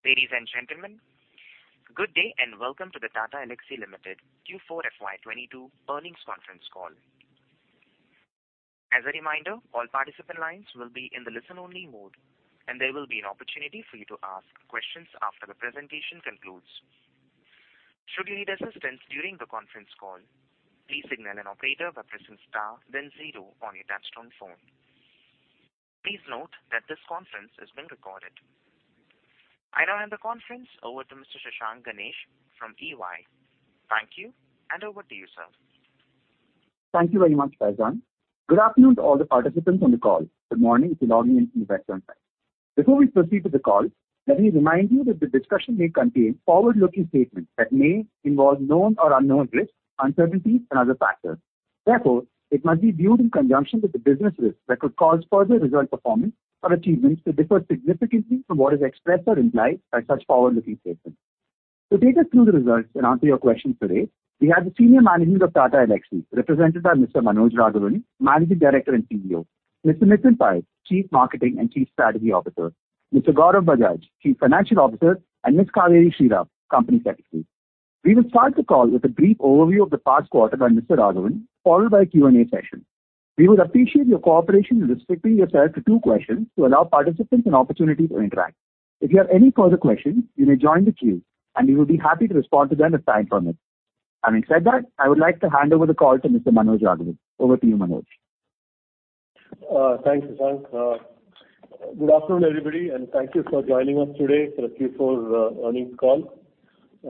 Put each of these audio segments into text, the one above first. Ladies and gentlemen, good day, and welcome to the Tata Elxsi Limited Q4 FY 2022 earnings conference call. As a reminder, all participant lines will be in the listen-only mode, and there will be an opportunity for you to ask questions after the presentation concludes. Should you need assistance during the conference call, please signal an operator by pressing star then zero on your touchtone phone. Please note that this conference is being recorded. I now hand the conference over to Mr. Shashank Ganesh from EY. Thank you, and over to you, sir. Thank you very much, Faizan. Good afternoon to all the participants on the call. Good morning to those joining in from the western side. Before we proceed with the call, let me remind you that the discussion may contain forward-looking statements that may involve known or unknown risks, uncertainties and other factors. Therefore, it must be viewed in conjunction with the business risks that could cause further result performance or achievements to differ significantly from what is expressed or implied by such forward-looking statements. To take us through the results and answer your questions today, we have the senior management of Tata Elxsi, represented by Mr. Manoj Raghavan, Managing Director and CEO, Mr. Nitin Pai, Chief Marketing and Chief Strategy Officer, Mr. Gaurav Bajaj, Chief Financial Officer, and Ms. Cauveri Sriram, Company Secretary. We will start the call with a brief overview of the past quarter by Mr. Raghavan, followed by a Q&A session. We would appreciate your cooperation in restricting yourself to two questions to allow participants an opportunity to interact. If you have any further questions, you may join the queue, and we will be happy to respond to them as time permits. Having said that, I would like to hand over the call to Mr. Manoj Raghavan. Over to you, Manoj. Thanks, Shashank. Good afternoon, everybody, and thank you for joining us today for the Q4 earnings call.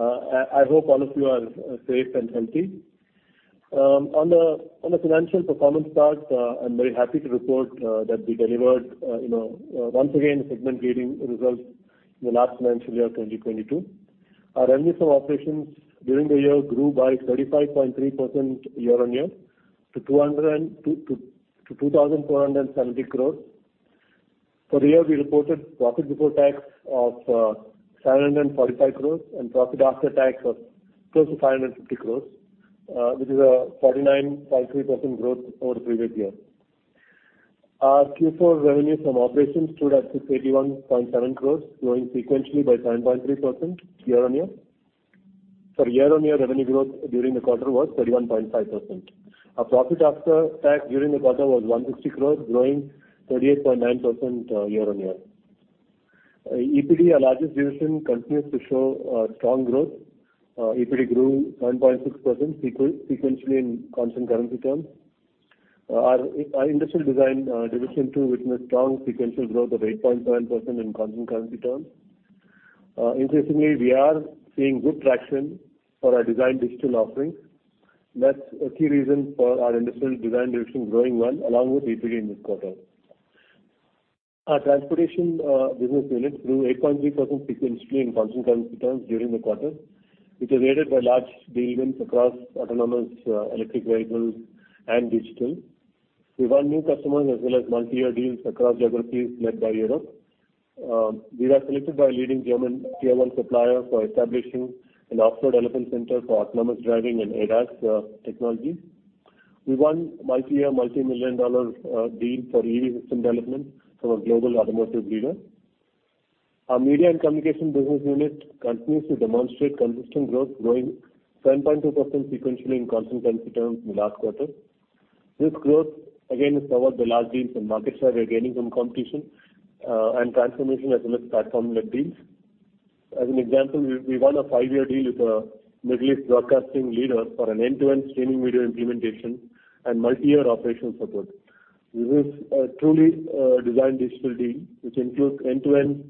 I hope all of you are safe and healthy. On the financial performance part, I'm very happy to report that we delivered you know once again segment-leading results in the last financial year 2022. Our revenues from operations during the year grew by 35.3% year-on-year to 2,270 crores. For the year, we reported profit before tax of 745 crores and profit after tax of close to 550 crores, which is a 49.3% growth over the previous year. Our Q4 revenue from operations stood at 681.7 crore, growing sequentially by 9.3% year-on-year. The year-on-year revenue growth during the quarter was 31.5%. Our profit after tax during the quarter was 160 crore, growing 38.9% year-on-year. EPD, our largest division, continues to show strong growth. EPD grew 9.6% sequentially in constant currency terms. Our industrial design division too witnessed strong sequential growth of 8.7% in constant currency terms. Interestingly, we are seeing good traction for our design digital offerings. That's a key reason for our industrial design division growing well, along with EPD in this quarter. Our Transportation business unit grew 8.3% sequentially in constant currency terms during the quarter, which was aided by large deals across autonomous electric vehicles and digital. We won new customers as well as multi-year deals across geographies led by Europe. We were selected by a leading German tier-one supplier for establishing an off-road development center for autonomous driving and ADAS technologies. We won multi-year, $multi-million-dollar deal for EV system development from a global automotive leader. Our Media and Communications business unit continues to demonstrate consistent growth, growing 7.2% sequentially in constant currency terms in the last quarter. This growth again is powered by large deals from markets where we are gaining from competition and transformation as well as platform-led deals. As an example, we won a five-year deal with a Middle East broadcasting leader for an end-to-end streaming video implementation and multi-year operational support. This is a truly design digital deal which includes end-to-end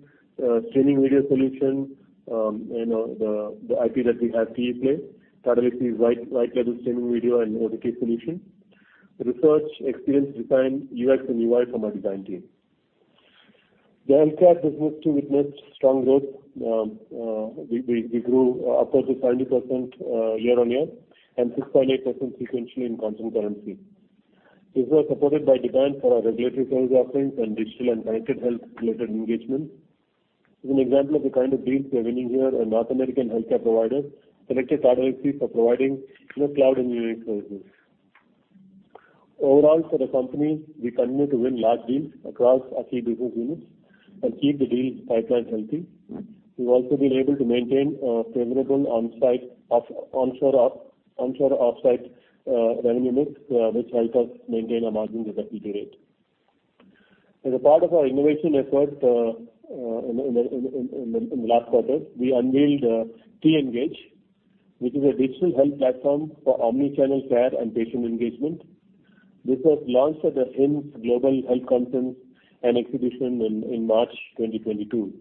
streaming video solution, you know, the IP that we have, TEPlay, Tata Elxsi's worldwide streaming video and OTT solution. User research, experience design, UX and UI from our design team. The healthcare business too witnessed strong growth. We grew upwards of 20% year-on-year and 6.8% sequentially in constant currency. This was supported by demand for our regulatory services offerings and digital and connected health related engagement. As an example of the kind of deals we are winning here, a North American healthcare provider selected Tata Elxsi for providing cloud engineering services. Overall, for the company, we continue to win large deals across our key business units and keep the deals pipeline healthy. We've also been able to maintain a favorable onsite-offsite revenue mix, which helped us maintain our margins at a healthy rate. As a part of our innovation efforts, in the last quarter, we unveiled TEngage, which is a digital health platform for omni-channel care and patient engagement. This was launched at the HIMSS Global Health Conference and Exhibition in March 2022.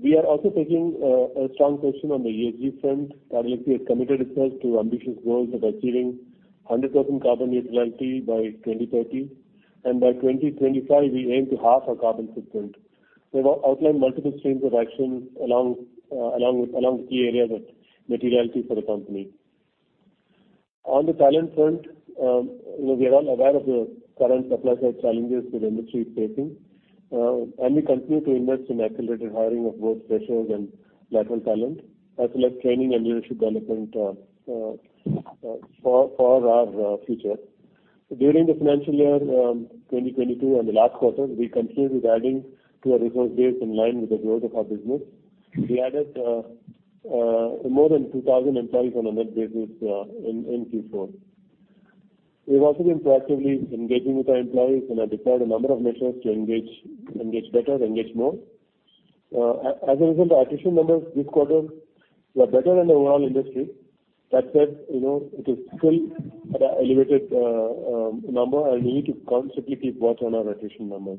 We are also taking a strong position on the ESG front. Tata Elxsi has committed itself to ambitious goals of achieving 100% carbon neutrality by 2030, and by 2025 we aim to halve our carbon footprint. We've outlined multiple streams of action along with the key areas of materiality for the company. On the talent front, you know, we are all aware of the current supply side challenges the industry is facing. We continue to invest in accelerated hiring of both freshers and lateral talent, as well as training and leadership development for our future. During the financial year 2022 and the last quarter, we continued with adding to our resource base in line with the growth of our business. We added more than 2,000 employees on a net basis in Q4. We've also been proactively engaging with our employees and have deployed a number of measures to engage better, engage more. As a result, our attrition numbers this quarter were better than the overall industry. That said, you know, it is still at an elevated number, and we need to constantly keep watch on our attrition numbers.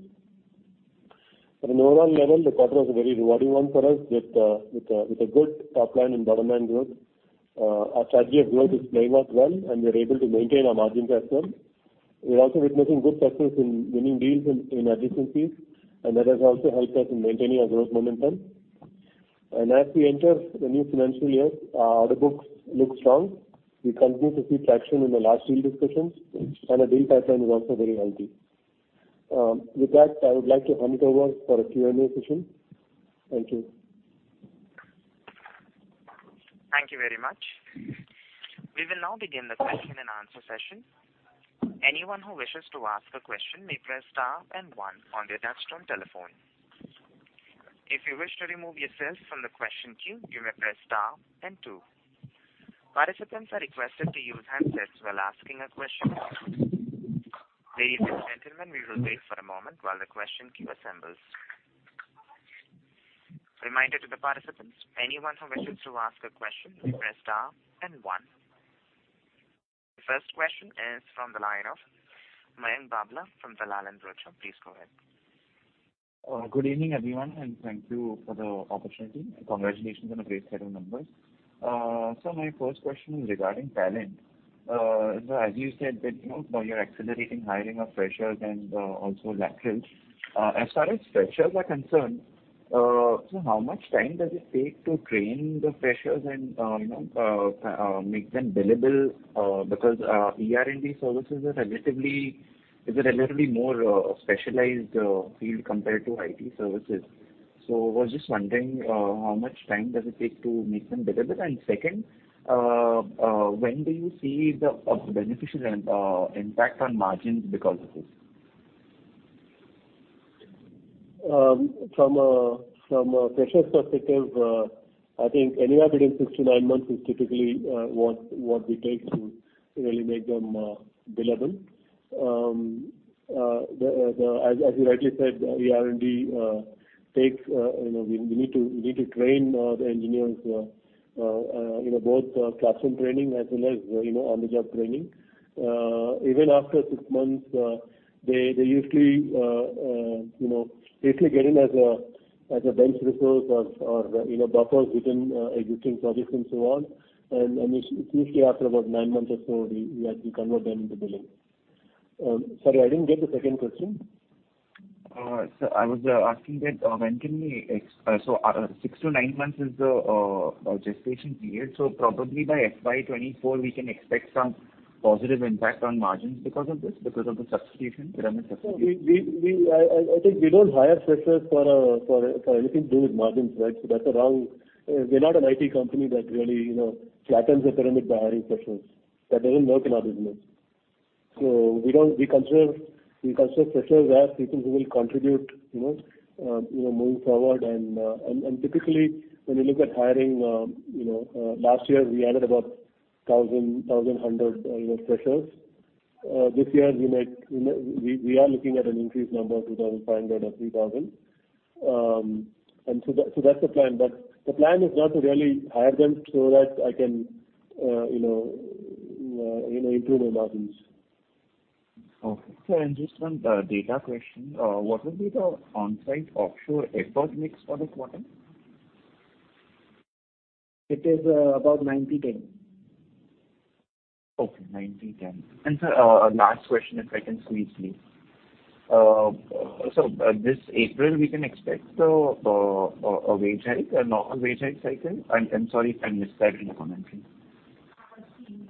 At an overall level, the quarter was a very rewarding one for us with a good top line and bottom line growth. Our strategy of growth is playing out well, and we are able to maintain our margins as well. We're also witnessing good success in winning deals in adjacencies, and that has also helped us in maintaining our growth momentum. As we enter the new financial year, our order books look strong. We continue to see traction in the large deal discussions, and our deal pipeline is also very healthy. With that, I would like to hand it over for a Q&A session. Thank you. Thank you very much. We will now begin the question-and-answer session. Anyone who wishes to ask a question may press star and one on their touch-tone telephone. If you wish to remove yourself from the question queue, you may press star and two. Participants are requested to use handsets while asking a question. Ladies and gentlemen, we will wait for a moment while the question queue assembles. Reminder to the participants, anyone who wishes to ask a question may press star and one. The first question is from the line of Mayank Babla from Dalal & Broacha. Please go ahead. Good evening, everyone, and thank you for the opportunity. Congratulations on a great set of numbers. My first question is regarding talent. As you said that, you know, you're accelerating hiring of freshers and also laterals. As far as freshers are concerned, how much time does it take to train the freshers and, you know, make them billable? Because ER&E services is a relatively more specialized field compared to IT services. I was just wondering, how much time does it take to make them billable? Second, when do you see the beneficial impact on margins because of this? From a fresher's perspective, I think anywhere between six to nine months is typically what it takes to really make them billable. As you rightly said, ER&E takes, you know, we need to train the engineers, you know, both classroom training as well as on-the-job training. Even after six months, they usually, you know, basically get in as a bench resource or buffers within existing projects and so on. Usually after about nine months or so, we actually convert them into billing. Sorry, I didn't get the second question. I was asking that when can we. 6-9 months is the gestation period. Probably by FY 2024, we can expect some positive impact on margins because of this, because of the substitution, product substitution? I think we don't hire freshers for anything to do with margins, right? That's wrong. We're not an IT company that really, you know, flattens the pyramid by hiring freshers. That doesn't work in our business. We consider freshers as people who will contribute, you know, moving forward. Typically, when you look at hiring, you know, last year we added about 1,100 freshers. This year we might, we are looking at an increased number of 2,500 or 3,000. That's the plan. The plan is not to really hire them so that I can, you know, improve my margins. Okay. Sir, and just one data question. What would be the onsite offshore effort mix for this quarter? It is about 90/10. Okay, 90/10. Sir, a last question, if I can squeeze in. This April, we can expect a wage hike, a normal wage hike cycle? I'm sorry if I missed that in your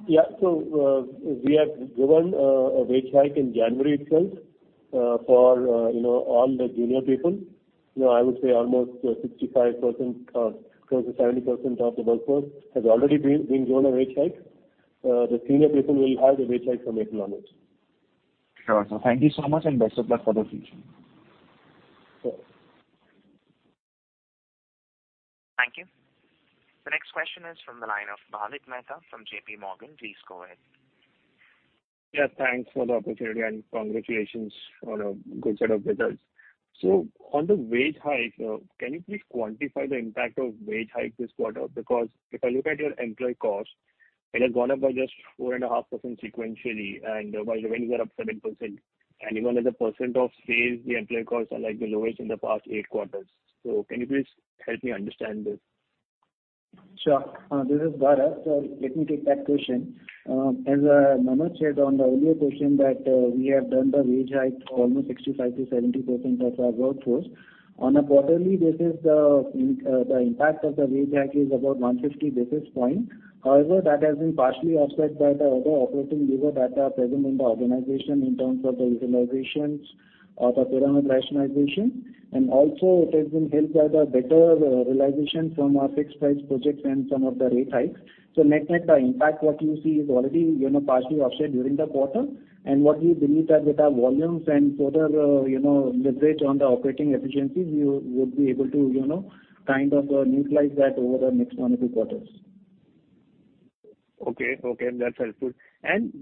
commentary. We have given a wage hike in January itself for you know all the junior people. You know, I would say almost 65% or close to 70% of the workforce has already been given a wage hike. The senior people will have a wage hike from April onwards. Sure. Thank you so much and best of luck for the future. Sure. Thank you. The next question is from the line of Bhavik Mehta from JPMorgan. Please go ahead. Yeah, thanks for the opportunity and congratulations on a good set of results. On the wage hike, can you please quantify the impact of wage hike this quarter? Because if I look at your employee cost, it has gone up by just 4.5% sequentially, and while revenues are up 7%, even as a percent of sales, the employee costs are, like, the lowest in the past eight quarters. Can you please help me understand this? Sure. This is Bharat. Let me take that question. As Manoj said on the earlier question that we have done the wage hike for almost 65%-70% of our workforce. On a quarterly basis, the impact of the wage hike is about 150 basis points. However, that has been partially offset by the other operating lever that are present in the organization in terms of the utilizations of the pyramid rationalization. Also it has been helped by the better realization from our fixed price projects and some of the rate hikes. Net-net, the impact what you see is already, you know, partially offset during the quarter. What we believe that with our volumes and further, you know, leverage on the operating efficiencies, we would be able to, you know, kind of neutralize that over the next one or two quarters. Okay. That's helpful.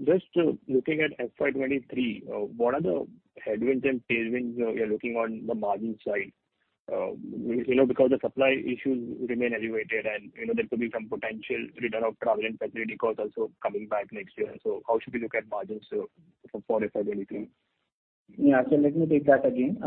Just looking at FY 2023, what are the headwinds and tailwinds we are looking on the margin side? You know, because the supply issues remain elevated, and you know, there could be some potential return of travel and facility costs also coming back next year. How should we look at margins for FY 2023? Yeah. Let me take that again.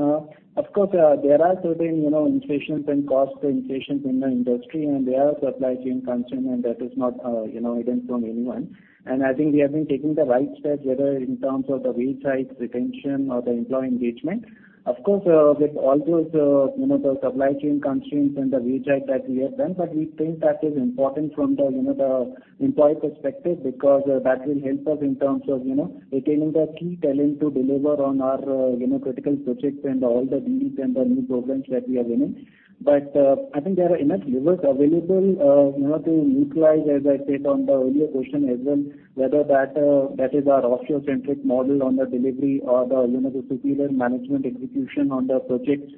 Of course, there are certain, you know, inflations and cost inflations in the industry, and there are supply chain constraints, and that is not, you know, hidden from anyone. I think we have been taking the right steps, whether in terms of the wage hikes retention or the employee engagement. Of course, with all those, you know, the supply chain constraints and the wage hike that we have done, but we think that is important from the, you know, the employee perspective because that will help us in terms of, you know, retaining the key talent to deliver on our, you know, critical projects and all the deals and the new programs that we are winning. I think there are enough levers available, you know, to utilize, as I said on the earlier question as well, whether that is our offshore-centric model on the delivery or the, you know, the superior management execution on the projects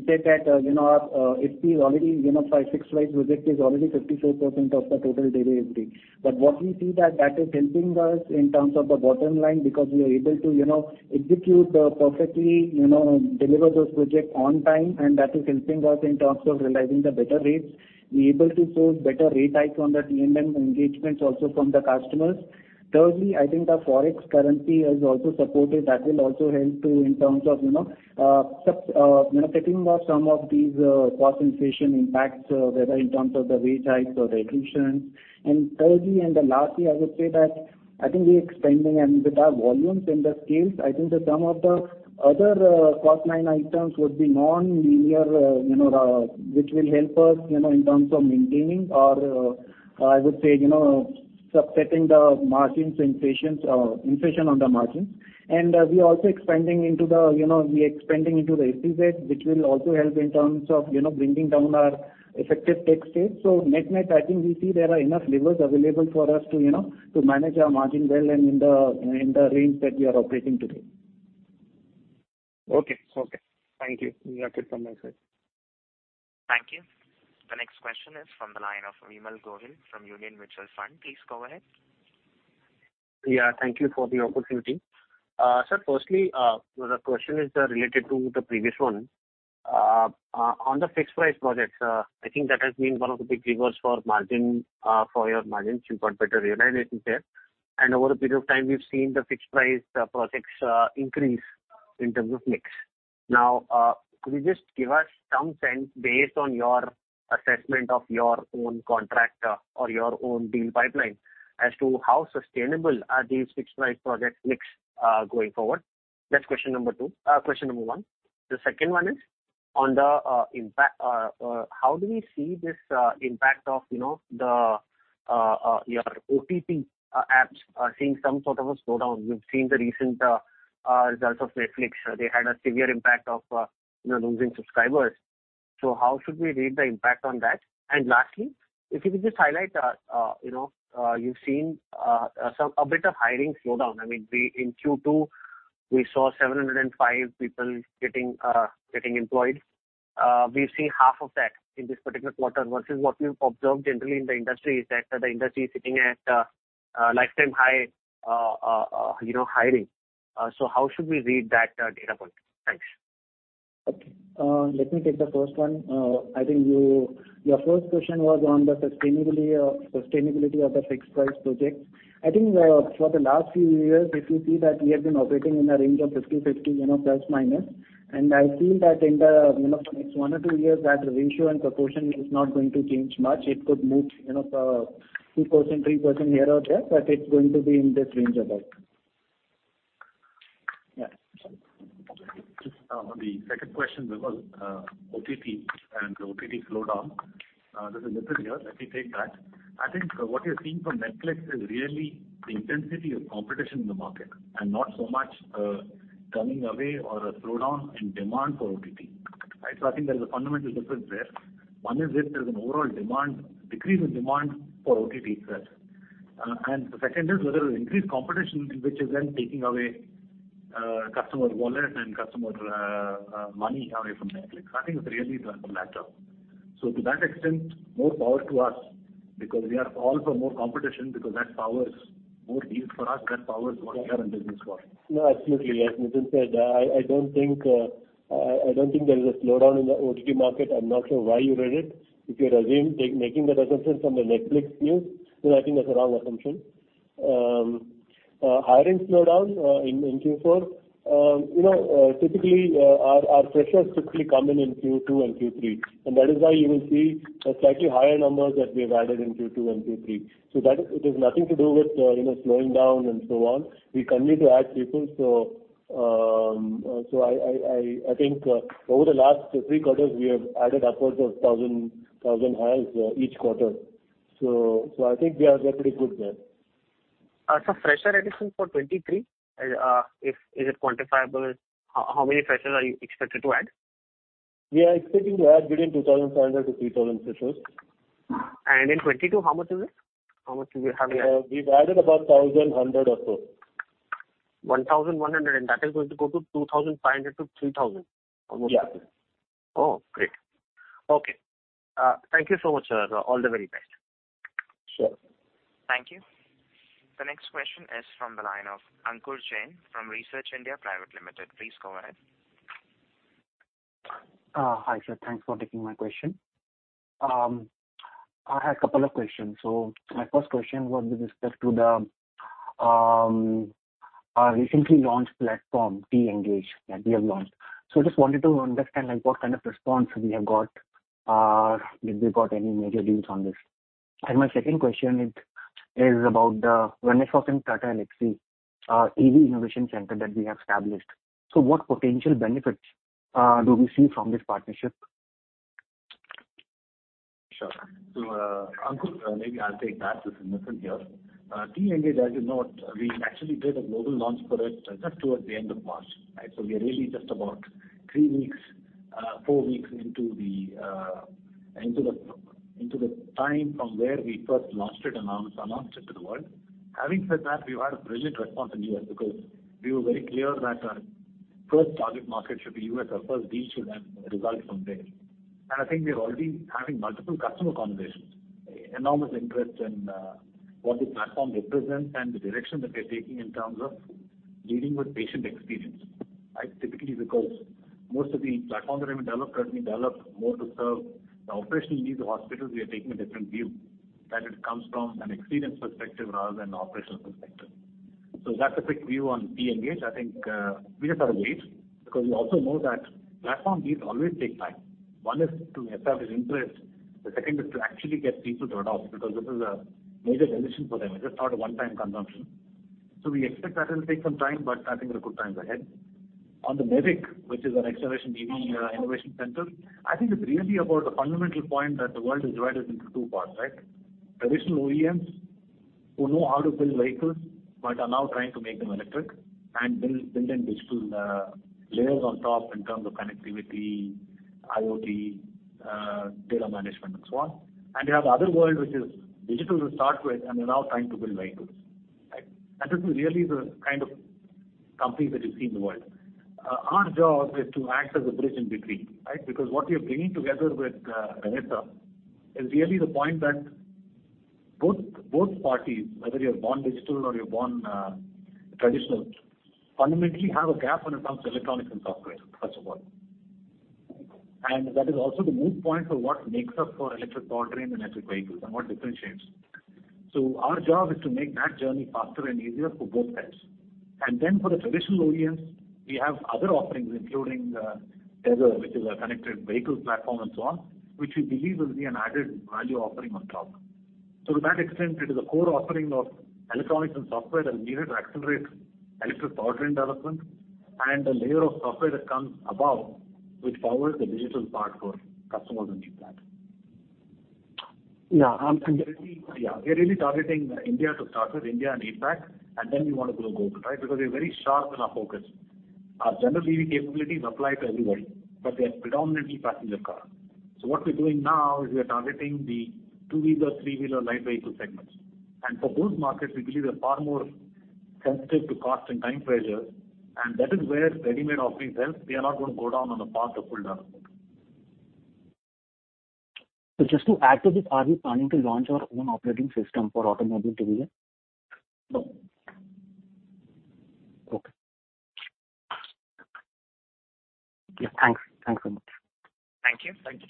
to take that, you know, FP already, you know, 5 fixed price projects are already 54% of the total delivery. What we see is that that is helping us in terms of the bottom line because we are able to, you know, execute perfectly, you know, deliver those projects on time, and that is helping us in terms of realizing the better rates. We are able to source better rate hikes on the T&M engagements also from the customers. Thirdly, I think the forex currency has also supported. That will also help too in terms of taking off some of these cost inflation impacts, whether in terms of the wage hikes or the attrition. Thirdly, and lastly, I would say that I think we're expanding. With our volumes and the scales, I think that some of the other cost line items would be nonlinear, you know, which will help us, you know, in terms of maintaining or I would say, you know, offsetting the margin inflations or inflation on the margins. We are also expanding into the SEZ, which will also help in terms of bringing down our effective tax rate. Net-net, I think we see there are enough levers available for us to, you know, to manage our margin well and in the range that we are operating today. Okay. Thank you. That's it from my side. Thank you. The next question is from the line of Vimal Gohil from Union Mutual Fund. Please go ahead. Yeah. Thank you for the opportunity. Sir, firstly, the question is related to the previous one. On the fixed price projects, I think that has been one of the big levers for margin for your margins. You've got better realization there. Over a period of time, we've seen the fixed price projects increase in terms of mix. Now, could you just give us some sense based on your assessment of your own contract or your own deal pipeline as to how sustainable are these fixed price project mix going forward? That's question number one. The second one is on the impact, how do we see this impact of, you know, your OTT apps seeing some sort of a slowdown? We've seen the recent results of Netflix. They had a severe impact of, you know, losing subscribers. How should we read the impact on that? Lastly, if you could just highlight, you know, you've seen a bit of hiring slowdown. I mean, in Q2, we saw 705 people getting employed. We've seen half of that in this particular quarter versus what we've observed generally in the industry is that the industry is sitting at a lifetime high, you know, hiring. How should we read that data point? Thanks. Okay. Let me take the first one. I think your first question was on the sustainability of the fixed price projects. I think, for the last few years, if you see that we have been operating in a range of 50-50, you know, plus, minus. I feel that in the, you know, next 1 or 2 years, that ratio and proportion is not going to change much. It could move, you know, 2%, 3% here or there, but it's going to be in this range about. Yeah. Okay. Just on the second question, Vimal, OTT slowdown. There's a little here. Let me take that. I think what you're seeing from Netflix is really the intensity of competition in the market and not so much turning away or a slowdown in demand for OTT. Right? I think there's a fundamental difference there. One is if there's an overall decrease in demand for OTT itself. And the second is whether increased competition which is then taking away customer wallet and customer money away from Netflix. I think it's really the latter. To that extent, more power to us because we are all for more competition because that powers more deals for us. That powers what we are in business for. No, absolutely. As Nitin said, I don't think there is a slowdown in the OTT market. I'm not sure why you read it. If you're making that assumption from the Netflix news, then I think that's a wrong assumption. Hiring slowdown in Q4, typically, our freshers typically come in Q2 and Q3, and that is why you will see slightly higher numbers that we have added in Q2 and Q3. That it is nothing to do with slowing down and so on. We continue to add people. I think over the last 3 quarters, we have added upwards of 1,000 hires each quarter. I think we are pretty good there. Fresher addition for 2023, is it quantifiable? How many freshers are you expected to add? We are expecting to add between 2,500-3,000 freshers. In 2022, how much is it? How much do you have there? We've added about 1,100 or so. 1,100, and that is going to go to 2,500-3,000. Yeah. Oh, great. Okay. Thank you so much, sir. All the very best. Sure. Thank you. The next question is from the line of Ankur Jain from Research India Private Limited. Please go ahead. Hi, sir. Thanks for taking my question. I have a couple of questions. My first question was with respect to the recently launched platform, TEngage, that we have launched. Just wanted to understand, like, what kind of response we have got, did we got any major leads on this? My second question is about the Renesas and Tata Elxsi EV Innovation Center that we have established. What potential benefits do we see from this partnership? Sure. Ankur, maybe I'll take that since I'm present here. TEngage, as you know, we actually did a global launch for it just towards the end of March, right? We are really just about 3 weeks, 4 weeks into the time from where we first launched it, announced it to the world. Having said that, we've had a brilliant response in U.S. because we were very clear that our first target market should be U.S. Our first deal should have results from there. I think we're already having multiple customer conversations. Enormous interest in what the platform represents and the direction that we're taking in terms of leading with patient experience. Right? Typically, because most of the platforms that have been developed, currently developed more to serve the operational needs of hospitals, we are taking a different view, that it comes from an experience perspective rather than an operational perspective. That's a quick view on TEngage. I think we just have to wait, because we also know that platform deals always take time. One is to establish interest, the second is to actually get people to adopt, because this is a major decision for them. It is not a one-time consumption. We expect that it'll take some time, but I think there are good times ahead. On the NEVIC, which is our EV accelerator innovation center, I think it's really about the fundamental point that the world is divided into two parts, right? Traditional OEMs who know how to build vehicles but are now trying to make them electric and build in digital layers on top in terms of connectivity, IoT, data management and so on. You have the other world which is digital to start with and are now trying to build vehicles. Right? This is really the kind of companies that you see in the world. Our job is to act as a bridge in between, right? Because what we are bringing together with Renesas is really the point that both parties, whether you're born digital or you're born traditional, fundamentally have a gap when it comes to electronics and software, first of all. That is also the entry point for what makes up the electric powertrain and electric vehicles and what differentiates. Our job is to make that journey faster and easier for both sides. For the traditional OEMs, we have other offerings, including TETHER, which is a connected vehicles platform and so on, which we believe will be an added value offering on top. To that extent, it is a core offering of electronics and software that is needed to accelerate electric powertrain development and a layer of software that comes above which powers the digital part for customers who need that. We're really targeting India to start with, India and APAC, and then we want to go global, right? Because we're very sharp in our focus. Our general EV capabilities apply to everybody, but they are predominantly passenger car. What we're doing now is we are targeting the two-wheeler, three-wheeler light vehicle segments. For those markets, we believe they're far more sensitive to cost and time pressures, and that is where ready-made offerings helps. We are not going to go down on the path of full development. Just to add to this, are we planning to launch our own operating system for automobile division? No. Okay. Yeah, thanks. Thanks very much. Thank you. Thank you.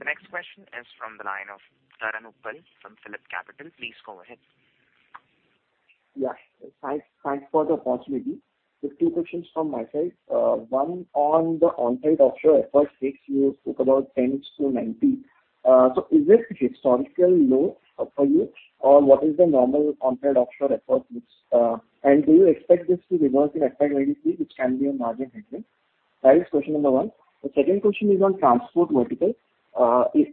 The next question is from the line of Karan Uppal from PhillipCapital. Please go ahead. Thanks for the opportunity. Just two questions from my side. One on the onsite-offshore ratio that you talked about 10-90. So is this historical low for you? Or what is the normal onsite-offshore ratio which... And do you expect this to reverse and affect very soon, which can be a margin headwind? That is question number one. The second question is on transport vertical. If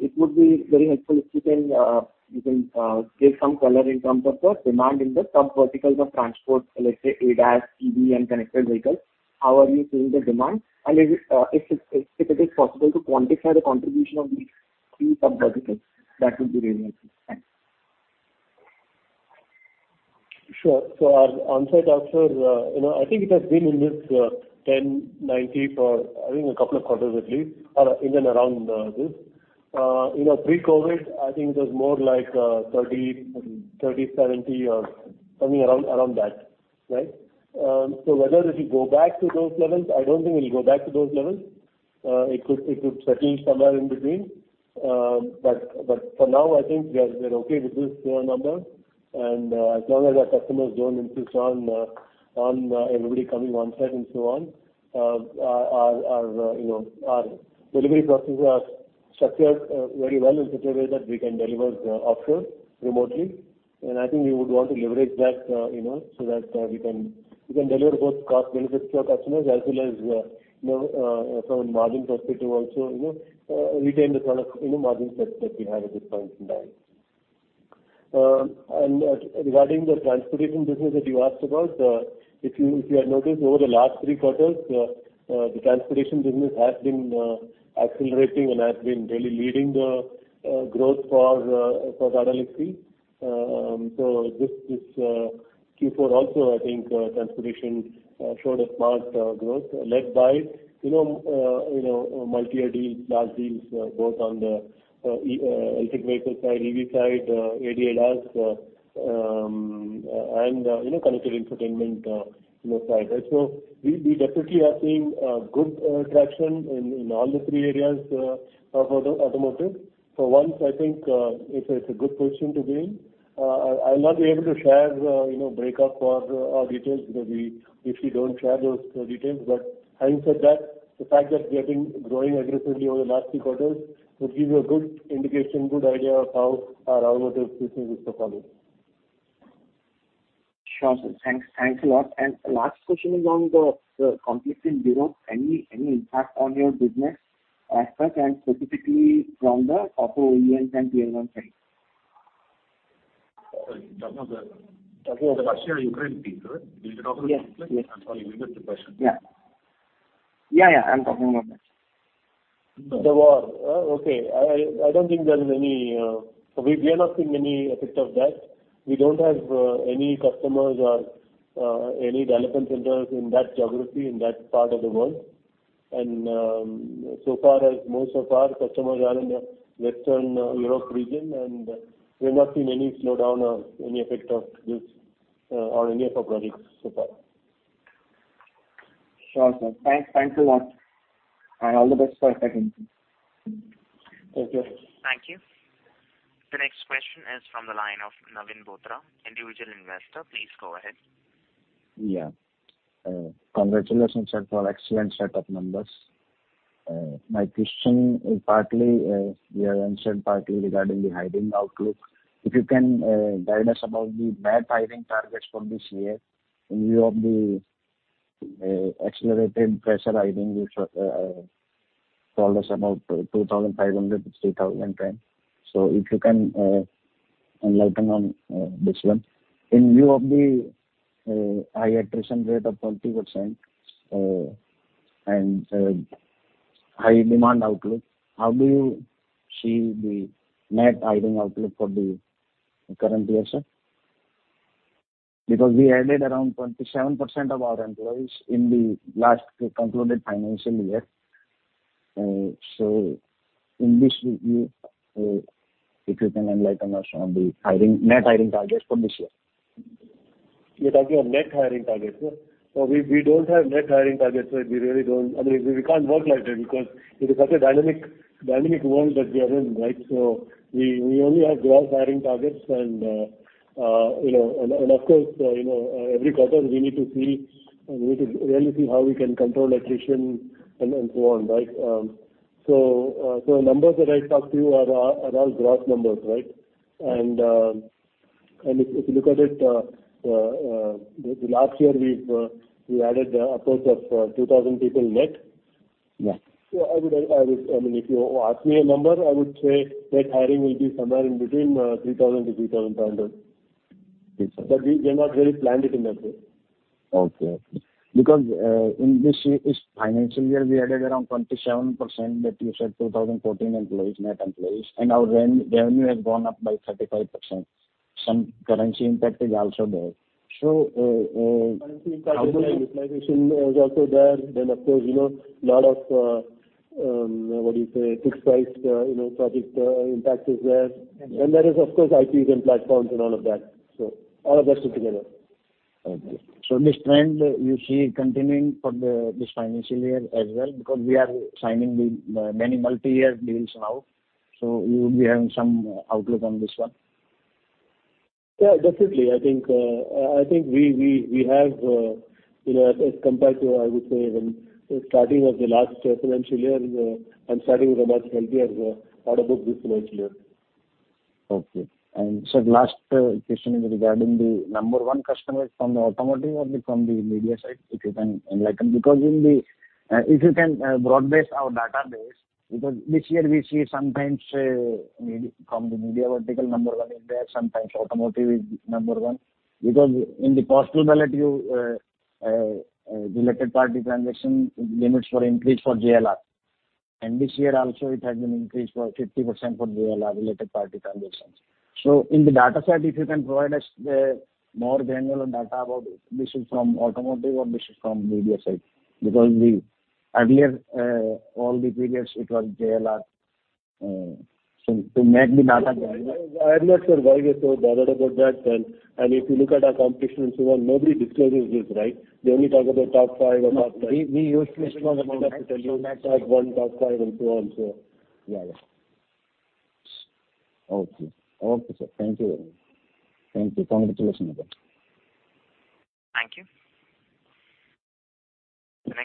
it would be very helpful if you can give some color in terms of the demand in the subverticals of transport, let's say ADAS, EV, and connected vehicles. How are you seeing the demand? And if it is possible to quantify the contribution of these three subverticals, that would be really helpful. Thanks. Sure. Our on-site/offshore, you know, I think it has been in this 10/90 for, I think, a couple of quarters at least, or in and around this. You know, pre-COVID, I think it was more like 30/70 or something around that, right? Whether it'll go back to those levels, I don't think it'll go back to those levels. It could settle somewhere in between. But for now, I think we're okay with this number. As long as our customers don't insist on everybody coming on-site and so on, our delivery processes are structured very well in such a way that we can deliver offshore remotely. I think we would want to leverage that, you know, so that we can deliver both cost benefits to our customers as well as, you know, from a margin perspective also, you know, retain the kind of, you know, margin sets that we have at this point in time. Regarding the transportation business that you asked about, if you have noticed over the last three quarters, the transportation business has been accelerating and has been really leading the growth for Tata Elxsi. This Q4 also I think transportation showed a smart growth led by, you know, multi-year deals, large deals, both on the electric vehicle side, EV side, ADAS, and, you know, connected infotainment, you know, side. We definitely are seeing good traction in all the three areas of automotive. For once, I think it's a good position to be in. I'll not be able to share, you know, break up or details because we usually don't share those details. Having said that, the fact that we have been growing aggressively over the last three quarters would give you a good indication, good idea of how our automotive business is performing. Sure, sir. Thanks. Thanks a lot. Last question is on the conflict in Europe. Any impact on your business aspect and specifically from the auto OEMs and Tier 1 side? You're talking of the. Talking of the- The Russia and Ukraine thing, correct? Yes. Yes. Is it also the conflict? I'm sorry, repeat the question. Yeah. I'm talking about that. The war. Okay. I don't think there is any. We are not seeing any effect of that. We don't have any customers or any development centers in that geography, in that part of the world. So far, as most of our customers are in the Western Europe region, and we have not seen any slowdown or any effect of this on any of our projects so far. Sure, sir. Thanks. Thanks a lot. All the best for second quarter. Thank you. Thank you. The next question is from the line of Naveen Bothra, Individual Investor. Please go ahead. Yeah. Congratulations, sir, for excellent set of numbers. My question is partly, you have answered partly regarding the hiring outlook. If you can guide us about the net hiring targets for this year in view of the accelerated fresher hiring, which you told us about 2,500-3,000 range. If you can enlighten on this one. In view of the high attrition rate of 20% and high demand outlook, how do you see the net hiring outlook for the current year, sir? Because we added around 27% of our employees in the last concluded financial year. In this view, if you can enlighten us on the hiring, net hiring targets for this year. You're talking of net hiring targets, yeah? We don't have net hiring targets. We really don't. I mean, we can't work like that because it is such a dynamic world that we are in, right? We only have gross hiring targets and, you know, and of course, you know, every quarter we need to really see how we can control attrition and so on, right? The numbers that I talked to you are all gross numbers, right? And if you look at it, last year, we've added upwards of 2,000 people net. Yeah. I mean, if you ask me a number, I would say net hiring will be somewhere in between 3,000-3,500. Okay, sir. We have not really planned it in that way. Okay. Because in this financial year, we added around 27% that you said 2,014 employees, net employees, and our revenue has gone up by 35%. Some currency impact is also there. Currency impact is there. How will you- Utilization is also there. Of course, you know, lot of, what do you say, fixed price, you know, project, impact is there. Understood. There is of course, IPs and platforms and all of that. All of that put together. Okay. This trend you see continuing for this financial year as well, because we are signing many multi-year deals now, so you would be having some outlook on this one. Yeah, definitely. I think we have you know, as compared to, I would say even starting of the last financial year, I'm starting with a much healthier order book this financial year. Okay. Sir, last question is regarding the number one customers from the automotive or the from the media side, if you can enlighten. Because if you can broaden our database, because this year we see sometimes media from the media vertical number one is there, sometimes automotive is number one. Because in the past few years related party transaction limits were increased for JLR. This year also it has been increased for 50% for JLR related party transactions. So in the data side, if you can provide us more granular data about this is from automotive or this is from media side. Because earlier all the previous it was JLR. So to make the data granular. I'm not sure why you are so bothered about that. If you look at our competition and so on, nobody discloses this, right? They only talk about top five or top ten. No, we usually disclose about net. Top one, top five and so on, so. Yeah. Okay, sir. Thank you. Congratulations again.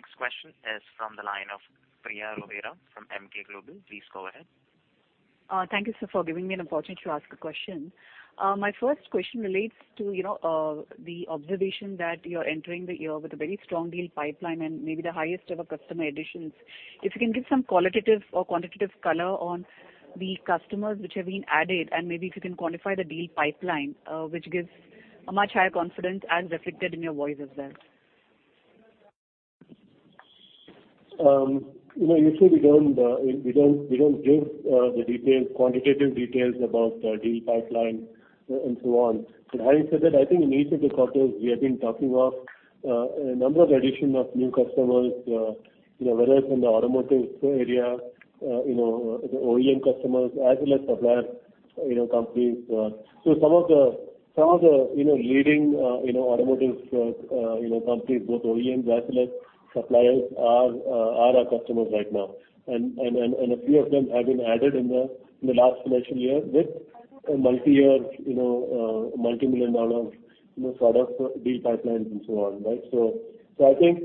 Is from the line of Priya Ruvera from MK Global. Please go ahead. Thank you, sir, for giving me an opportunity to ask a question. My first question relates to, you know, the observation that you're entering the year with a very strong deal pipeline and maybe the highest ever customer additions. If you can give some qualitative or quantitative color on the customers which have been added and maybe if you can quantify the deal pipeline, which gives a much higher confidence as reflected in your voice as well. You know, usually we don't give the details, quantitative details about the deal pipeline and so on. But having said that, I think in each of the quarters, we have been talking of a number of additions of new customers, you know, whether it's in the automotive area, you know, the OEM customers as well as suppliers, you know, companies. So some of the leading automotive companies, both OEMs as well as suppliers are our customers right now. A few of them have been added in the last financial year with a multi-year, multi-million-dollar product deal pipelines and so on, right? I think,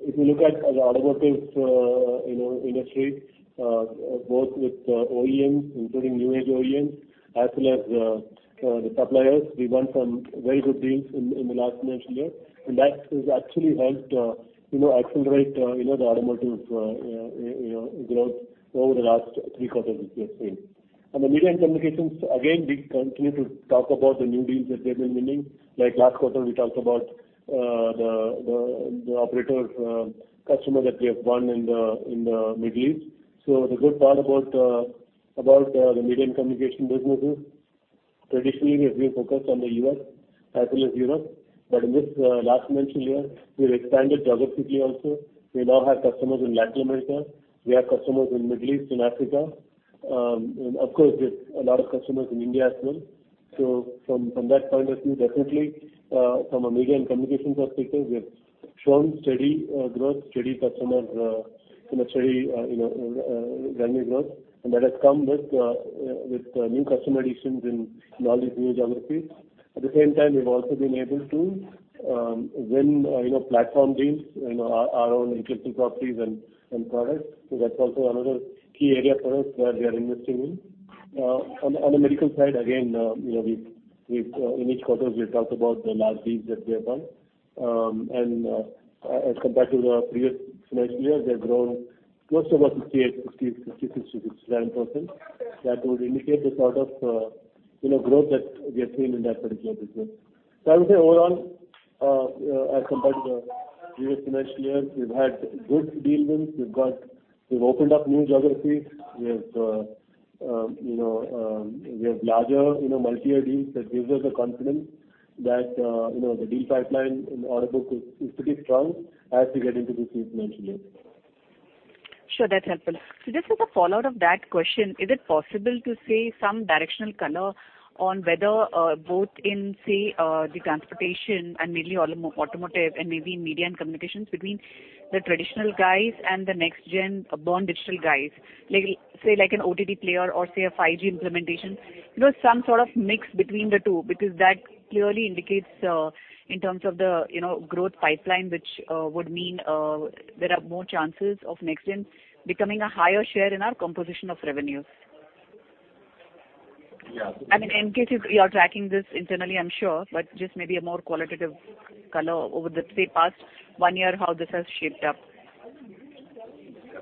if you look at the automotive, you know, industry, both with the OEMs, including new age OEMs, as well as, the suppliers, we won some very good deals in the last financial year. That has actually helped, you know, accelerate, you know, the automotive, you know, growth over the last three quarters which we have seen. On the media and communications, again, we continue to talk about the new deals that we have been winning. Like last quarter, we talked about the operator customer that we have won in the Middle East. The good part about the media and communication business is traditionally we have been focused on the U.S. as well as Europe. In this last financial year, we've expanded geographically also. We now have customers in Latin America. We have customers in Middle East and Africa. Of course, there's a lot of customers in India as well. From that point of view, definitely, from a media and communications perspective, we have shown steady growth, steady customers, and a steady revenue growth. That has come with new customer additions in all these new geographies. At the same time, we've also been able to win platform deals, you know, our own intellectual properties and products. That's also another key area for us where we are investing in. On the medical side, again, you know, we've talked about the large deals that we have done in each quarter. As compared to the previous financial year, we have grown close to about 58, 50, 67%. That would indicate the sort of, you know, growth that we have seen in that particular business. I would say overall, as compared to the previous financial year, we've had good deal wins. We've opened up new geographies. We have larger, you know, multi-year deals that gives us the confidence that, you know, the deal pipeline in the order book is pretty strong as we get into this financial year. Sure. That's helpful. Just as a follow-up of that question, is it possible to say some directional color on whether both in, say, the transportation and mainly automotive and maybe media and communications between the traditional guys and the next gen born digital guys? Like, say, an OTT player or, say, a 5G implementation. You know, some sort of mix between the two, because that clearly indicates in terms of the, you know, growth pipeline, which would mean there are more chances of next gen becoming a higher share in our composition of revenues. Yeah. I mean, in case you are tracking this internally, I'm sure, but just maybe a more qualitative color over the, say, past one year, how this has shaped up.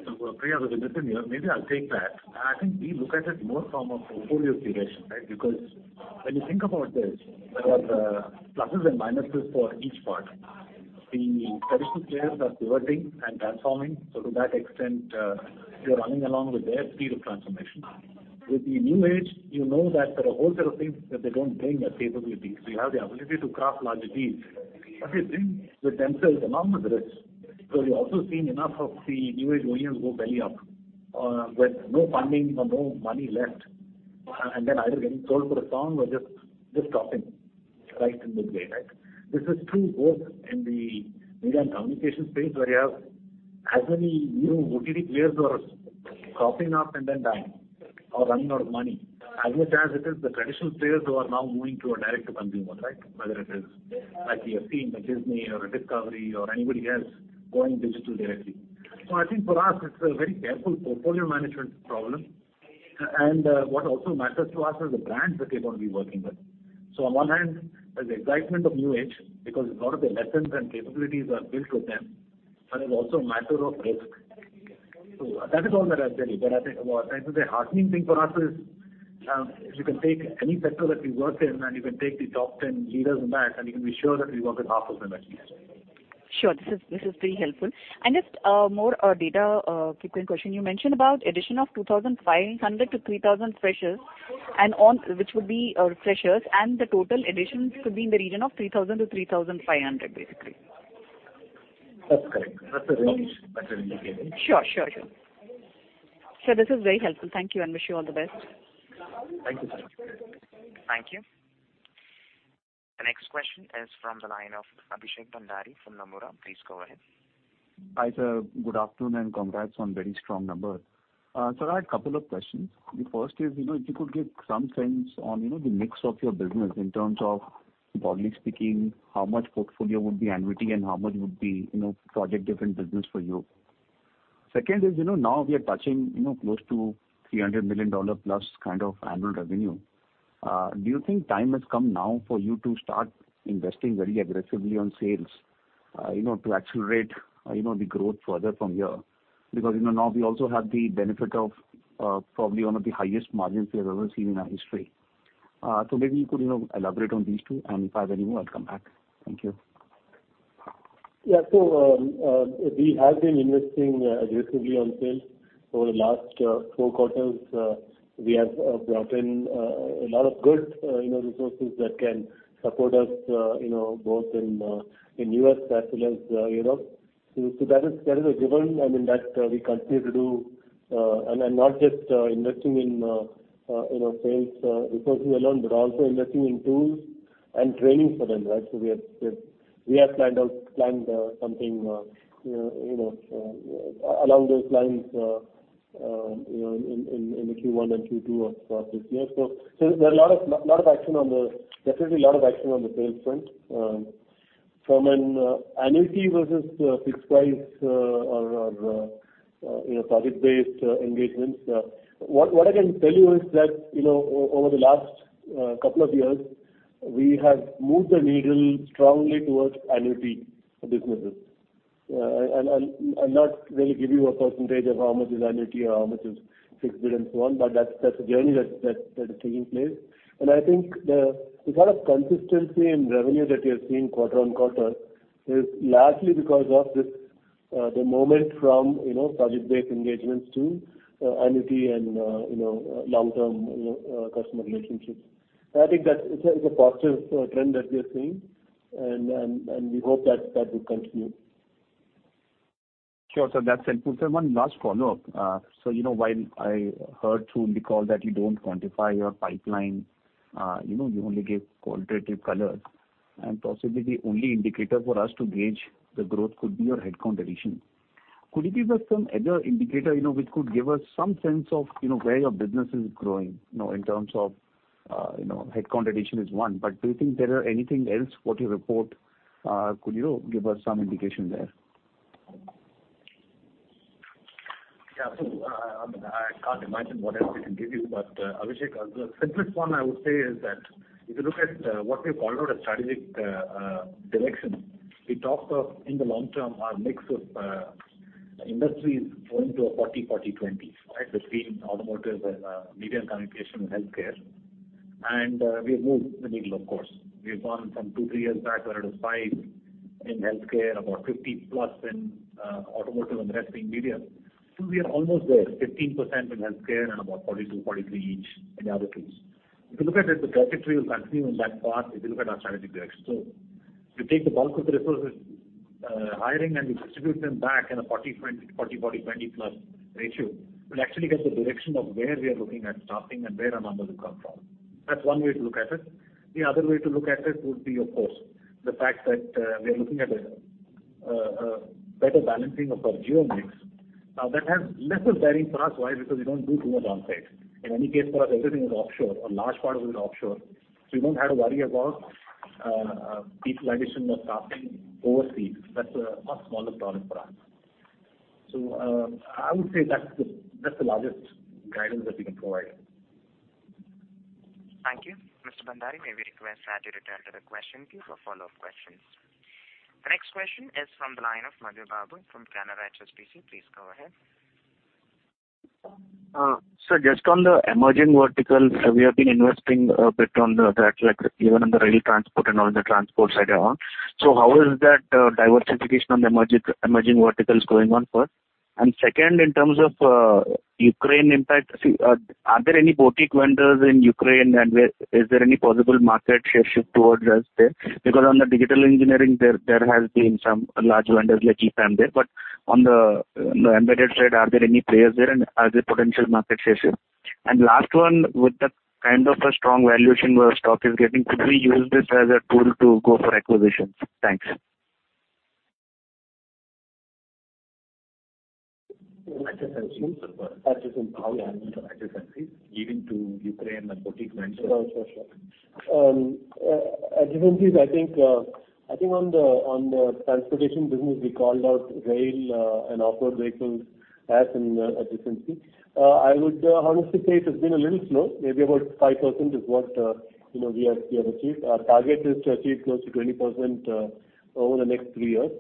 Yeah. Priya, if you listen here, maybe I'll take that. I think we look at it more from a portfolio creation, right? Because when you think about this, there are pluses and minuses for each part. The traditional players are pivoting and transforming. To that extent, we are running along with their speed of transformation. With the new age, you know that there are a whole set of things that they don't bring as capabilities. We have the ability to craft larger deals, but they bring with themselves enormous risk. You've also seen enough of the new age OEMs go belly up, with no funding or no money left, and then either getting sold for a song or just stopping right in the way, right? This is true both in the media and communication space, where you have as many new OTT players who are popping up and then dying or running out of money, as much as it is the traditional players who are now moving to a direct to consumer, right? Whether it is like you have seen a Disney or a Discovery or anybody else going digital directly, I think for us, it's a very careful portfolio management problem. What also matters to us is the brands that we want to be working with. On one hand, there's the excitement of new age because a lot of the lessons and capabilities are built with them, but it's also a matter of risk. That is all that I'd tell you. I think what I would say heartening thing for us is, if you can take any sector that we work in and you can take the top 10 leaders in that, and you can be sure that we work with half of them at least. Sure. This is very helpful. Just more data quick win question. You mentioned about addition of 2,500 to 3,000 freshers, which would be freshers, and the total additions could be in the region of 3,000-3,500, basically. That's correct. That's a range that we indicated. Sure, sure. Sir, this is very helpful. Thank you, and I wish you all the best. Thank you, sir. Thank you. The next question is from the line of Abhishek Bhandari from Nomura. Please go ahead. Hi, sir. Good afternoon, and congrats on very strong number. Sir, I had a couple of questions. The first is, you know, if you could give some sense on, you know, the mix of your business in terms of broadly speaking, how much portfolio would be annuity and how much would be, you know, project different business for you. Second is, you know, now we are touching, you know, close to $300 million+ kind of annual revenue. Do you think time has come now for you to start investing very aggressively on sales, you know, to accelerate, you know, the growth further from here? Because, you know, now we also have the benefit of, probably one of the highest margins we have ever seen in our history. So maybe you could, you know, elaborate on these two, and if I have any more, I'll come back. Thank you. Yeah. We have been investing aggressively on sales over the last 4 quarters. We have brought in a lot of good, you know, resources that can support us, you know, both in the U.S. as well as Europe. That is a given. I mean, that we continue to do, and not just investing in, you know, sales resources alone, but also investing in tools and training for them, right? We have planned something, you know, along those lines, you know, in the Q1 and Q2 of this year. There are a lot of action on the sales front. Definitely a lot of action on the sales front. From an annuity versus fixed price or project-based engagements, what I can tell you is that, you know, over the last couple of years, we have moved the needle strongly towards annuity businesses. I'll not really give you a percentage of how much is annuity or how much is fixed bid and so on, but that's a journey that is taking place. I think the kind of consistency in revenue that you're seeing quarter-on-quarter is largely because of this, the movement from project-based engagements to annuity and long-term customer relationships. I think that's a positive trend that we are seeing and we hope that that will continue. Sure. That's helpful. Sir, one last follow-up. You know, while I heard through the call that you don't quantify your pipeline, you know, you only give qualitative colors, and possibly the only indicator for us to gauge the growth could be your headcount addition. Could you give us some other indicator, you know, which could give us some sense of, you know, where your business is growing, you know, in terms of, headcount addition is one, but do you think there are anything else what you report, could you give us some indication there? Yeah. I mean, I can't imagine what else we can give you, but Abhishek, the simplest one I would say is that if you look at what we've called out as strategic direction, we talked of in the long term, our mix of industries going to a 40/40/20, right? Between automotive and media and communication and healthcare. We have moved the needle of course. We've gone from 2-3 years back where it was 5% in healthcare, about 50+% in automotive and the rest being media. We are almost there, 15% in healthcare and about 42-43% each in the other two. If you look at it, the trajectory will continue on that path if you look at our strategic direction. If you take the bulk of the resources, hiring and you distribute them back in a 40/20 – 40/40/20 plus ratio, you'll actually get the direction of where we are looking at staffing and where our numbers will come from. That's one way to look at it. The other way to look at it would be, of course, the fact that, we are looking at a better balancing of our geo mix. That has lesser bearing for us. Why? Because we don't do too much onsite. In any case, for us everything is offshore or large part of it is offshore. We don't have to worry about, people addition or staffing overseas. That's a much smaller problem for us. I would say that's the largest guidance that we can provide. Thank you. Mr. Bhandari, may we request that you return to the question queue for follow-up questions. The next question is from the line of Madhu Babu from Canara HSBC. Please go ahead. Sir, just on the emerging vertical, we have been investing a bit on the, that like even on the rail transport and on the transport side add on. How is that diversification on the emerging verticals going on first? And second, in terms of Ukraine impact, see, are there any boutique vendors in Ukraine? And where is there any possible market share shift towards us there? Because on the digital engineering there has been some large vendors like EPAM there, but on the embedded side, are there any players there and are there potential market share shift? And last one, with the kind of a strong valuation where stock is getting, could we use this as a tool to go for acquisitions? Thanks. How we are doing on adjacencies, even to you, client and boutique vendors? Sure. Adjacencies I think on the transportation business we called out rail and off-road vehicles as an adjacency. I would honestly say it has been a little slow. Maybe about 5% is what you know we have achieved. Our target is to achieve close to 20% over the next three years.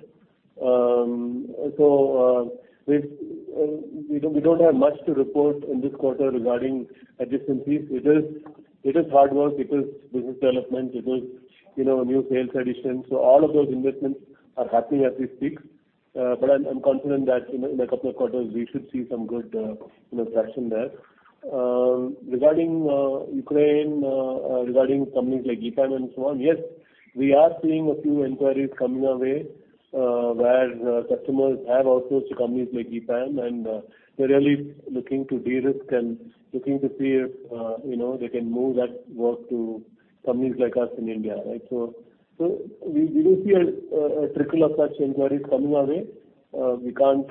We don't have much to report in this quarter regarding adjacencies. It is hard work. It is business development. It is, you know, new sales additions. All of those investments are happening as we speak. I'm confident that, you know, in a couple of quarters we should see some good, you know, traction there. Regarding companies like EPAM and so on, yes, we are seeing a few inquiries coming our way, where customers have outsourced to companies like EPAM, and they're really looking to de-risk and looking to see if, you know, they can move that work to companies like us in India, right? We do see a trickle of such inquiries coming our way. We can't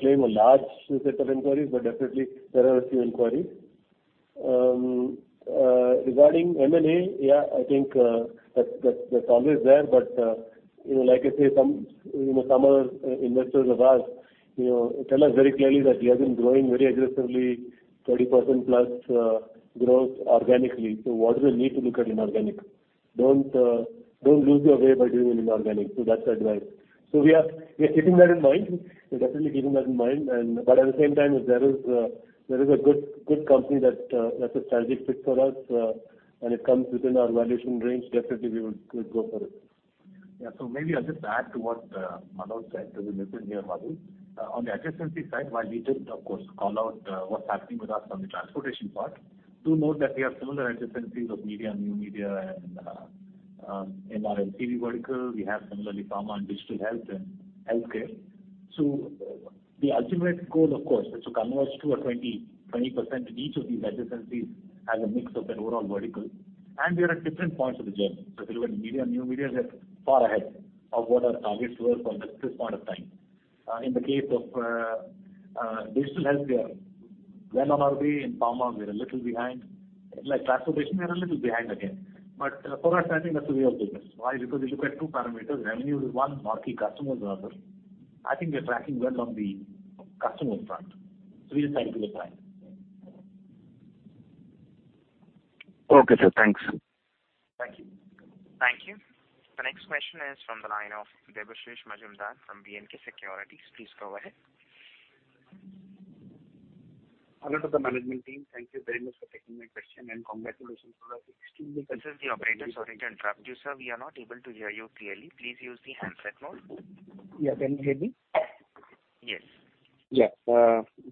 claim a large set of inquiries, but definitely there are a few inquiries. Regarding M&A, yeah, I think that's always there. You know, like I say, some other investors of ours tell us very clearly that we have been growing very aggressively 30%+ growth organically. What we need to look at inorganic. Don't lose your way by doing inorganic. That's the advice. We are keeping that in mind. We're definitely keeping that in mind. At the same time, if there is a good company that's a strategic fit for us, and it comes within our valuation range, definitely we would go for it. Yeah. Maybe I'll just add to what Manoj said as we listen here, Madhu. On the adjacency side, while we didn't of course call out what's happening with us on the transportation part, do note that we have similar adjacencies of media and new media and, in our LTV vertical we have similarly pharma and digital health and healthcare. The ultimate goal of course is to converge to a 20%-20% in each of these adjacencies as a mix of the overall vertical. We are at different points of the journey. If you look at media and new media, we are far ahead of what our targets were from this point of time. In the case of digital healthcare, we're well on our way. In pharma, we're a little behind. Like transportation, we are a little behind again. For us, I think that's the way of business. Why? Because we look at two parameters, revenue is one, marquee customer is another. I think we are tracking well on the customer front, so we just need to give it time. Okay, sir. Thanks. Thank you. Thank you. The next question is from the line of Debashish Majumdar from BNK Securities. Please go ahead. Hello to the management team. Thank you very much for taking my question and congratulations for extremely This is the operator. Sorry to interrupt you, sir. We are not able to hear you clearly. Please use the handset mode. Yeah. Can you hear me? Yes.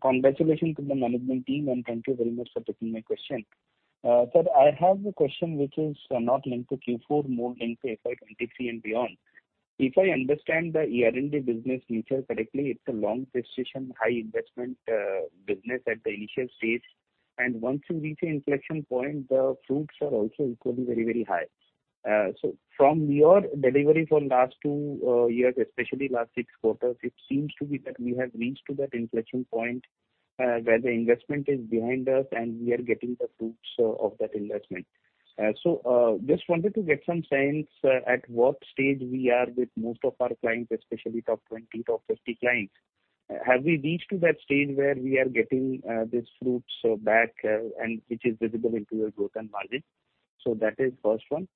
Congratulations to the management team, and thank you very much for taking my question. Sir, I have a question which is not linked to Q4, more linked to FY 2023 and beyond. If I understand the R&D business nature correctly, it's a long gestation, high investment business at the initial stage. Once you reach the inflection point, the fruits are also equally very, very high. From your delivery for last 2 years, especially last 6 quarters, it seems to be that we have reached to that inflection point, where the investment is behind us and we are getting the fruits of that investment. Just wanted to get some sense at what stage we are with most of our clients, especially top 20, top 50 clients? Have we reached to that stage where we are getting these fruits back, and which is visible into your growth and margin? That is first one.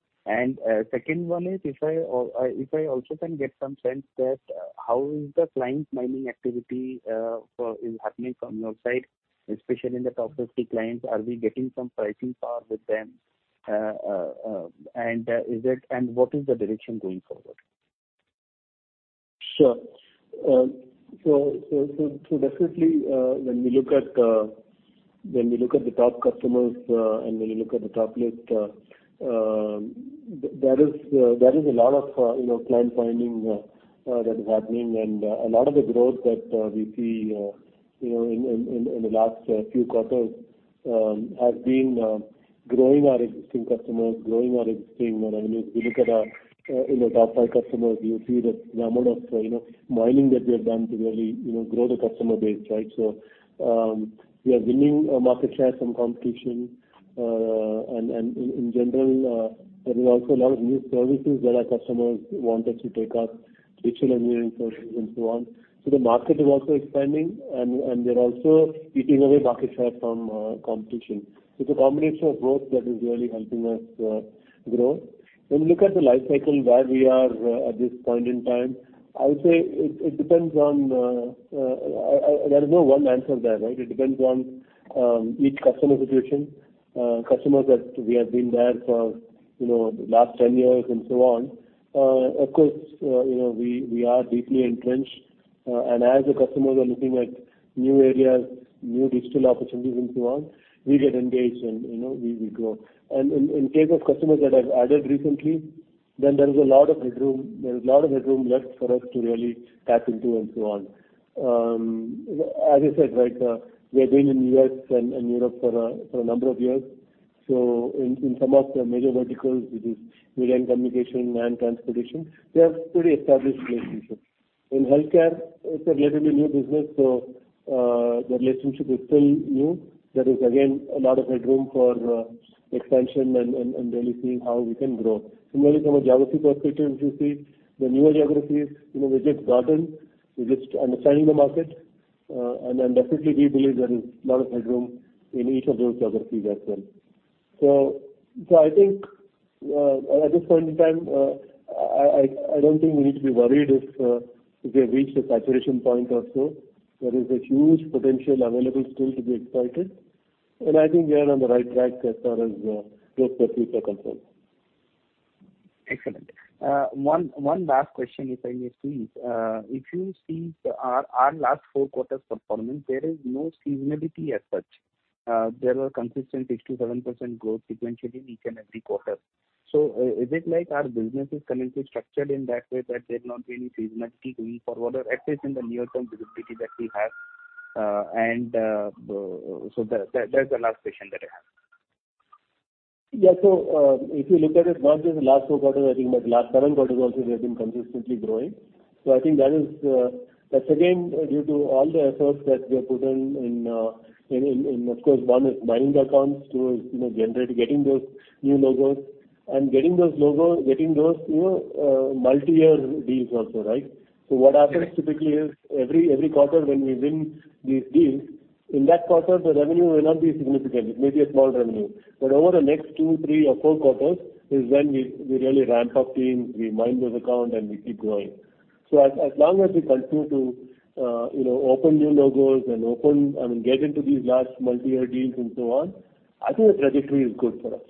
Second one is if I also can get some sense that how is the client mining activity happening from your side, especially in the top 50 clients. Are we getting some pricing power with them? What is the direction going forward? Sure. So definitely, when we look at the top customers and when we look at the top list, there is a lot of, you know, client mining that is happening. A lot of the growth that we see, you know, in the last few quarters, has been growing our existing customers, growing our existing revenues. We look at, you know, top five customers, you'll see that the amount of, you know, mining that we have done to really, you know, grow the customer base, right? We are winning market share from competition. There is also a lot of new services that our customers wanted to take up, digital engineering services and so on. The market is also expanding and they're also eating away market share from competition. It's a combination of both that is really helping us grow. When we look at the life cycle where we are at this point in time, I would say it depends on. There is no one answer there, right? It depends on each customer situation. Customers that we have been there for, you know, the last 10 years and so on. Of course, you know, we are deeply entrenched. As the customers are looking at new areas, new digital opportunities and so on, we get engaged and, you know, we grow. In case of customers that have added recently, there is a lot of headroom left for us to really tap into and so on. As I said, right, we have been in U.S. and Europe for a number of years. In some of the major verticals, it is Media and Communication and Transportation. We have pretty established relationships. In Healthcare, it's a relatively new business, the relationship is still new. There is again a lot of headroom for expansion and really seeing how we can grow. Similarly, from a geography perspective, if you see the newer geographies, you know, we're just starting, we're just understanding the market. We believe there is a lot of headroom in each of those geographies as well. I think at this point in time I don't think we need to be worried if we have reached a saturation point or so. There is a huge potential available still to be exploited, and I think we are on the right track as far as growth per se is concerned. Excellent. One last question, if I may please. If you see our last 4 quarters performance, there is no seasonality as such. There were consistent 6%-7% growth sequentially each and every quarter. Is our business completely structured in that way that there's not really seasonality going forward or at least in the near-term visibility that we have? That's the last question that I have. If you look at it, not just the last 4 quarters, I think about the last 7 quarters also we have been consistently growing. I think that is, that's again due to all the efforts that we have put in of course 1 is mining the accounts. 2 is, you know, getting those new logos and getting those, you know, multiyear deals also, right? Yes. What happens typically is every quarter when we win these deals, in that quarter the revenue may not be significant. It may be a small revenue. Over the next 2, 3 or 4 quarters is when we really ramp up teams, we mine those accounts, and we keep growing. As long as we continue to, you know, open new logos, I mean, get into these large multi-year deals and so on, I think the trajectory is good for us.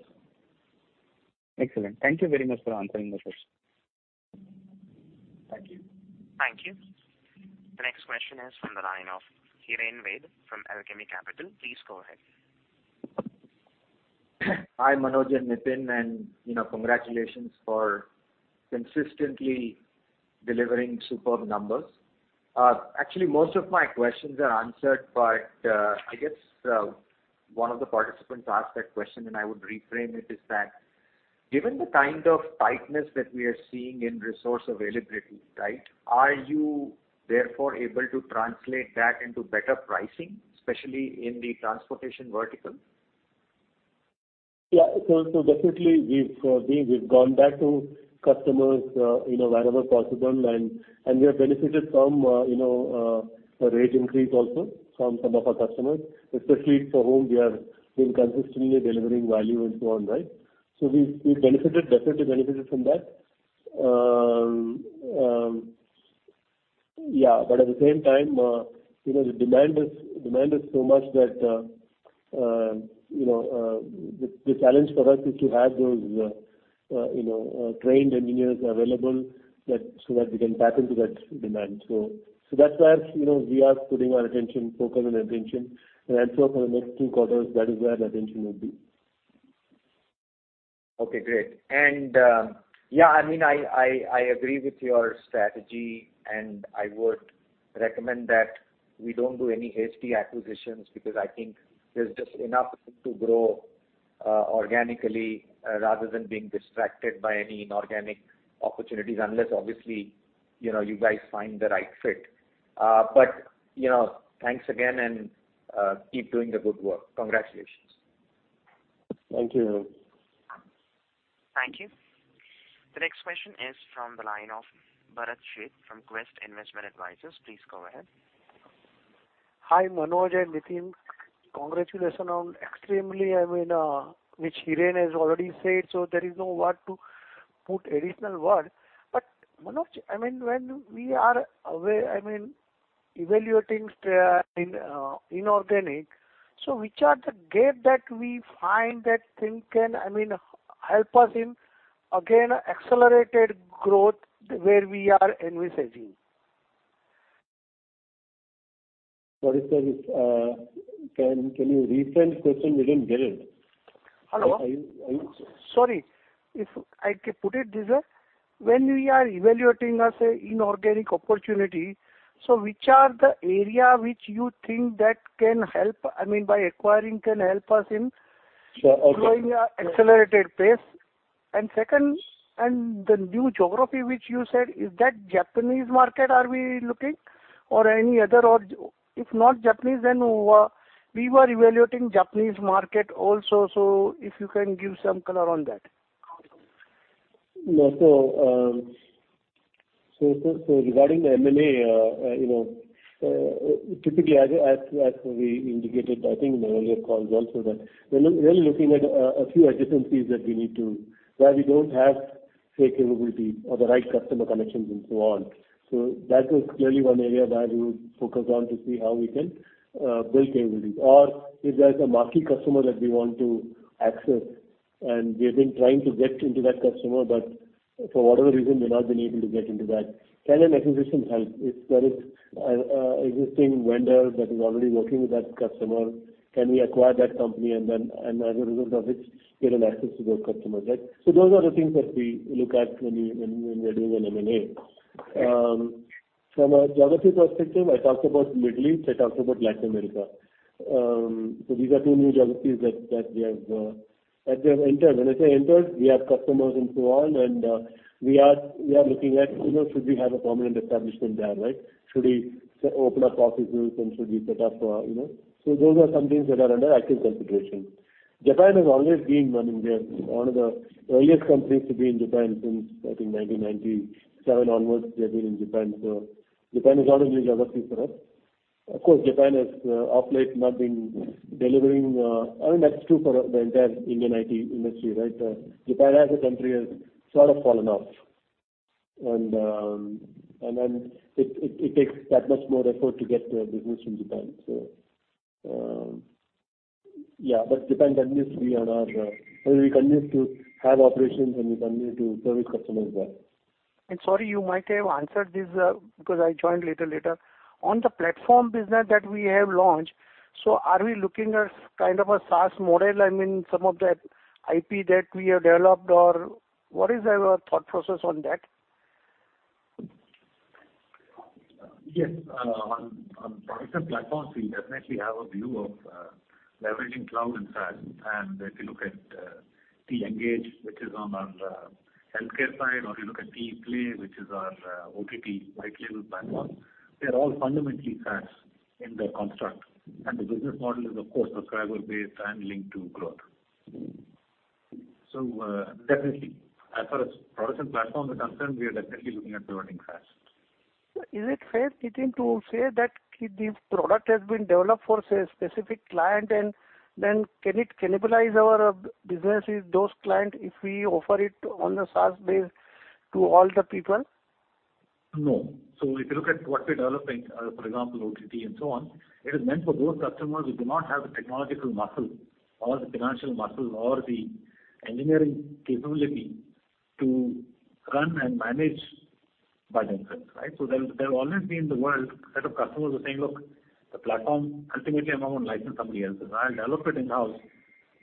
Excellent. Thank you very much for answering my questions. Thank you. Thank you. The next question is from the line of Hiren Ved from Alchemy Capital. Please go ahead. Hi, Manoj and Nitin, you know, congratulations for consistently delivering superb numbers. Actually, most of my questions are answered, but I guess one of the participants asked that question and I would reframe it, is that given the kind of tightness that we are seeing in resource availability, right, are you therefore able to translate that into better pricing, especially in the transportation vertical? Yeah. Definitely we've gone back to customers, you know, wherever possible, and we have benefited from, you know, a rate increase also from some of our customers, especially for whom we have been consistently delivering value and so on, right? We benefited, definitely benefited from that. Yeah. At the same time, you know, the demand is so much that, you know, the challenge for us is to have those, you know, trained engineers available so that we can tap into that demand. That's where, you know, we are putting our focus and attention. Also for the next 2 quarters, that is where the attention will be. Okay, great. Yeah, I mean, I agree with your strategy, and I would recommend that we don't do any hasty acquisitions because I think there's just enough to grow organically rather than being distracted by any inorganic opportunities, unless obviously you know you guys find the right fit. You know, thanks again and keep doing the good work. Congratulations. Thank you, Hiren. Thank you. The next question is from the line of Bharat Sheth from Quest Investment Advisors. Please go ahead. Hi, Manoj and Nitin. Congratulations on extremely, I mean, which Hiren has already said, so there is no word to put additional word. Manoj, I mean, when we are aware, I mean, evaluating in inorganic, so which are the gap that we find that thing can, I mean, help us in again accelerated growth where we are envisaging? Sorry, sir. Can you repeat the question? We didn't get it. Hello. Sorry. If I can put it this way, when we are evaluating as a inorganic opportunity, which are the area which you think that can help, I mean, by acquiring can help us in- Okay.... growing at accelerated pace? Second, the new geography which you said, is that Japanese market are we looking or any other region? If not Japanese, then we were evaluating Japanese market also. If you can give some color on that. No. Regarding the M&A, you know, typically as we indicated, I think in the earlier calls also that we're looking at a few adjacencies that we need to where we don't have, say, capabilities or the right customer connections and so on. That is clearly one area where we would focus on to see how we can build capabilities. Or if there's a marquee customer that we want to access and we have been trying to get into that customer, but for whatever reason we've not been able to get into that, can an acquisition help? If there is a existing vendor that is already working with that customer, can we acquire that company and then as a result of which get an access to those customers, right? Those are the things that we look at when we're doing an M&A. Okay. From a geography perspective, I talked about Middle East, I talked about Latin America. These are two new geographies that we have entered. When I say entered, we have customers and so on, and we are looking at, you know, should we have a permanent establishment there, right? Should we open up offices and should we set up, you know? Those are some things that are under active consideration. Japan has always been one of the earliest countries to be in Japan since, I think 1997 onwards we have been in Japan. Japan is not a new geography for us. Of course, Japan has of late not been delivering. I mean, that's true for the entire Indian IT industry, right? Japan as a country has sort of fallen off and then it takes that much more effort to get business from Japan. Yeah, but Japan continues to be on our radar. I mean, we continue to have operations and we continue to service customers there. Sorry, you might have answered this because I joined a little later. On the platform business that we have launched, are we looking at kind of a SaaS model? I mean, some of that IP that we have developed or what is our thought process on that? Yes. On products and platforms, we definitely have a view of leveraging cloud and SaaS. If you look at TEngage, which is on our healthcare side, or you look at TEPlay, which is our OTT white label platform, they're all fundamentally SaaS in their construct. The business model is, of course, subscriber-based and linked to growth. Definitely, as far as products and platforms are concerned, we are definitely looking at building SaaS. Sir, is it fair, Nitin, to say that if the product has been developed for, say, a specific client, and then can it cannibalize our businesses, those clients, if we offer it on a SaaS base to all the people? No. If you look at what we're developing, for example, OTT and so on, it is meant for those customers who do not have the technological muscle or the financial muscle or the engineering capability to run and manage by themselves, right? There'll always be in the world set of customers who are saying, "Look, the platform, ultimately I'm not gonna license somebody else's. I'll develop it in-house,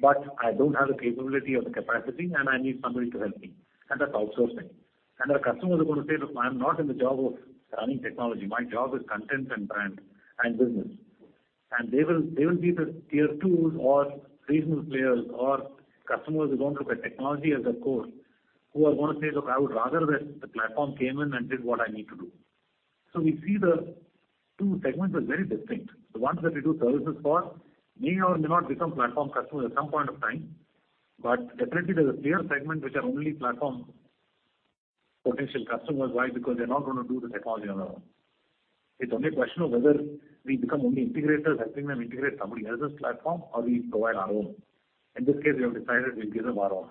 but I don't have the capability or the capacity, and I need somebody to help me." That's outsourcing. Our customers are gonna say, "Look, I'm not in the job of running technology. My job is content and brand and business." They will be the tier two or regional players or customers who don't look at technology as a core, who are gonna say, "Look, I would rather that the platform came in and did what I need to do." We see the two segments are very distinct. The ones that we do services for may or may not become platform customers at some point of time. Definitely there's a clear segment which are only platform potential customers. Why? Because they're not gonna do the technology on their own. It's only a question of whether we become only integrators, helping them integrate somebody else's platform, or we provide our own. In this case, we have decided we'll give them our own.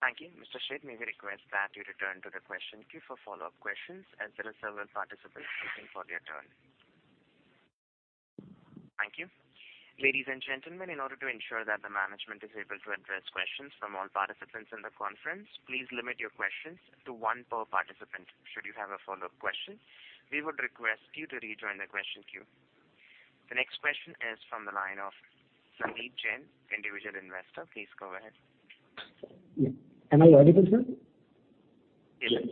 Thank you. Mr. Sheth, may we request that you return to the question queue for follow-up questions, as there are several participants waiting for their turn. Thank you. Ladies and gentlemen, in order to ensure that the management is able to address questions from all participants in the conference, please limit your questions to one per participant. Should you have a follow-up question, we would request you to rejoin the question queue. The next question is from the line of Suneet Jain, Individual Investor. Please go ahead. Yeah. Am I audible, sir? Yes.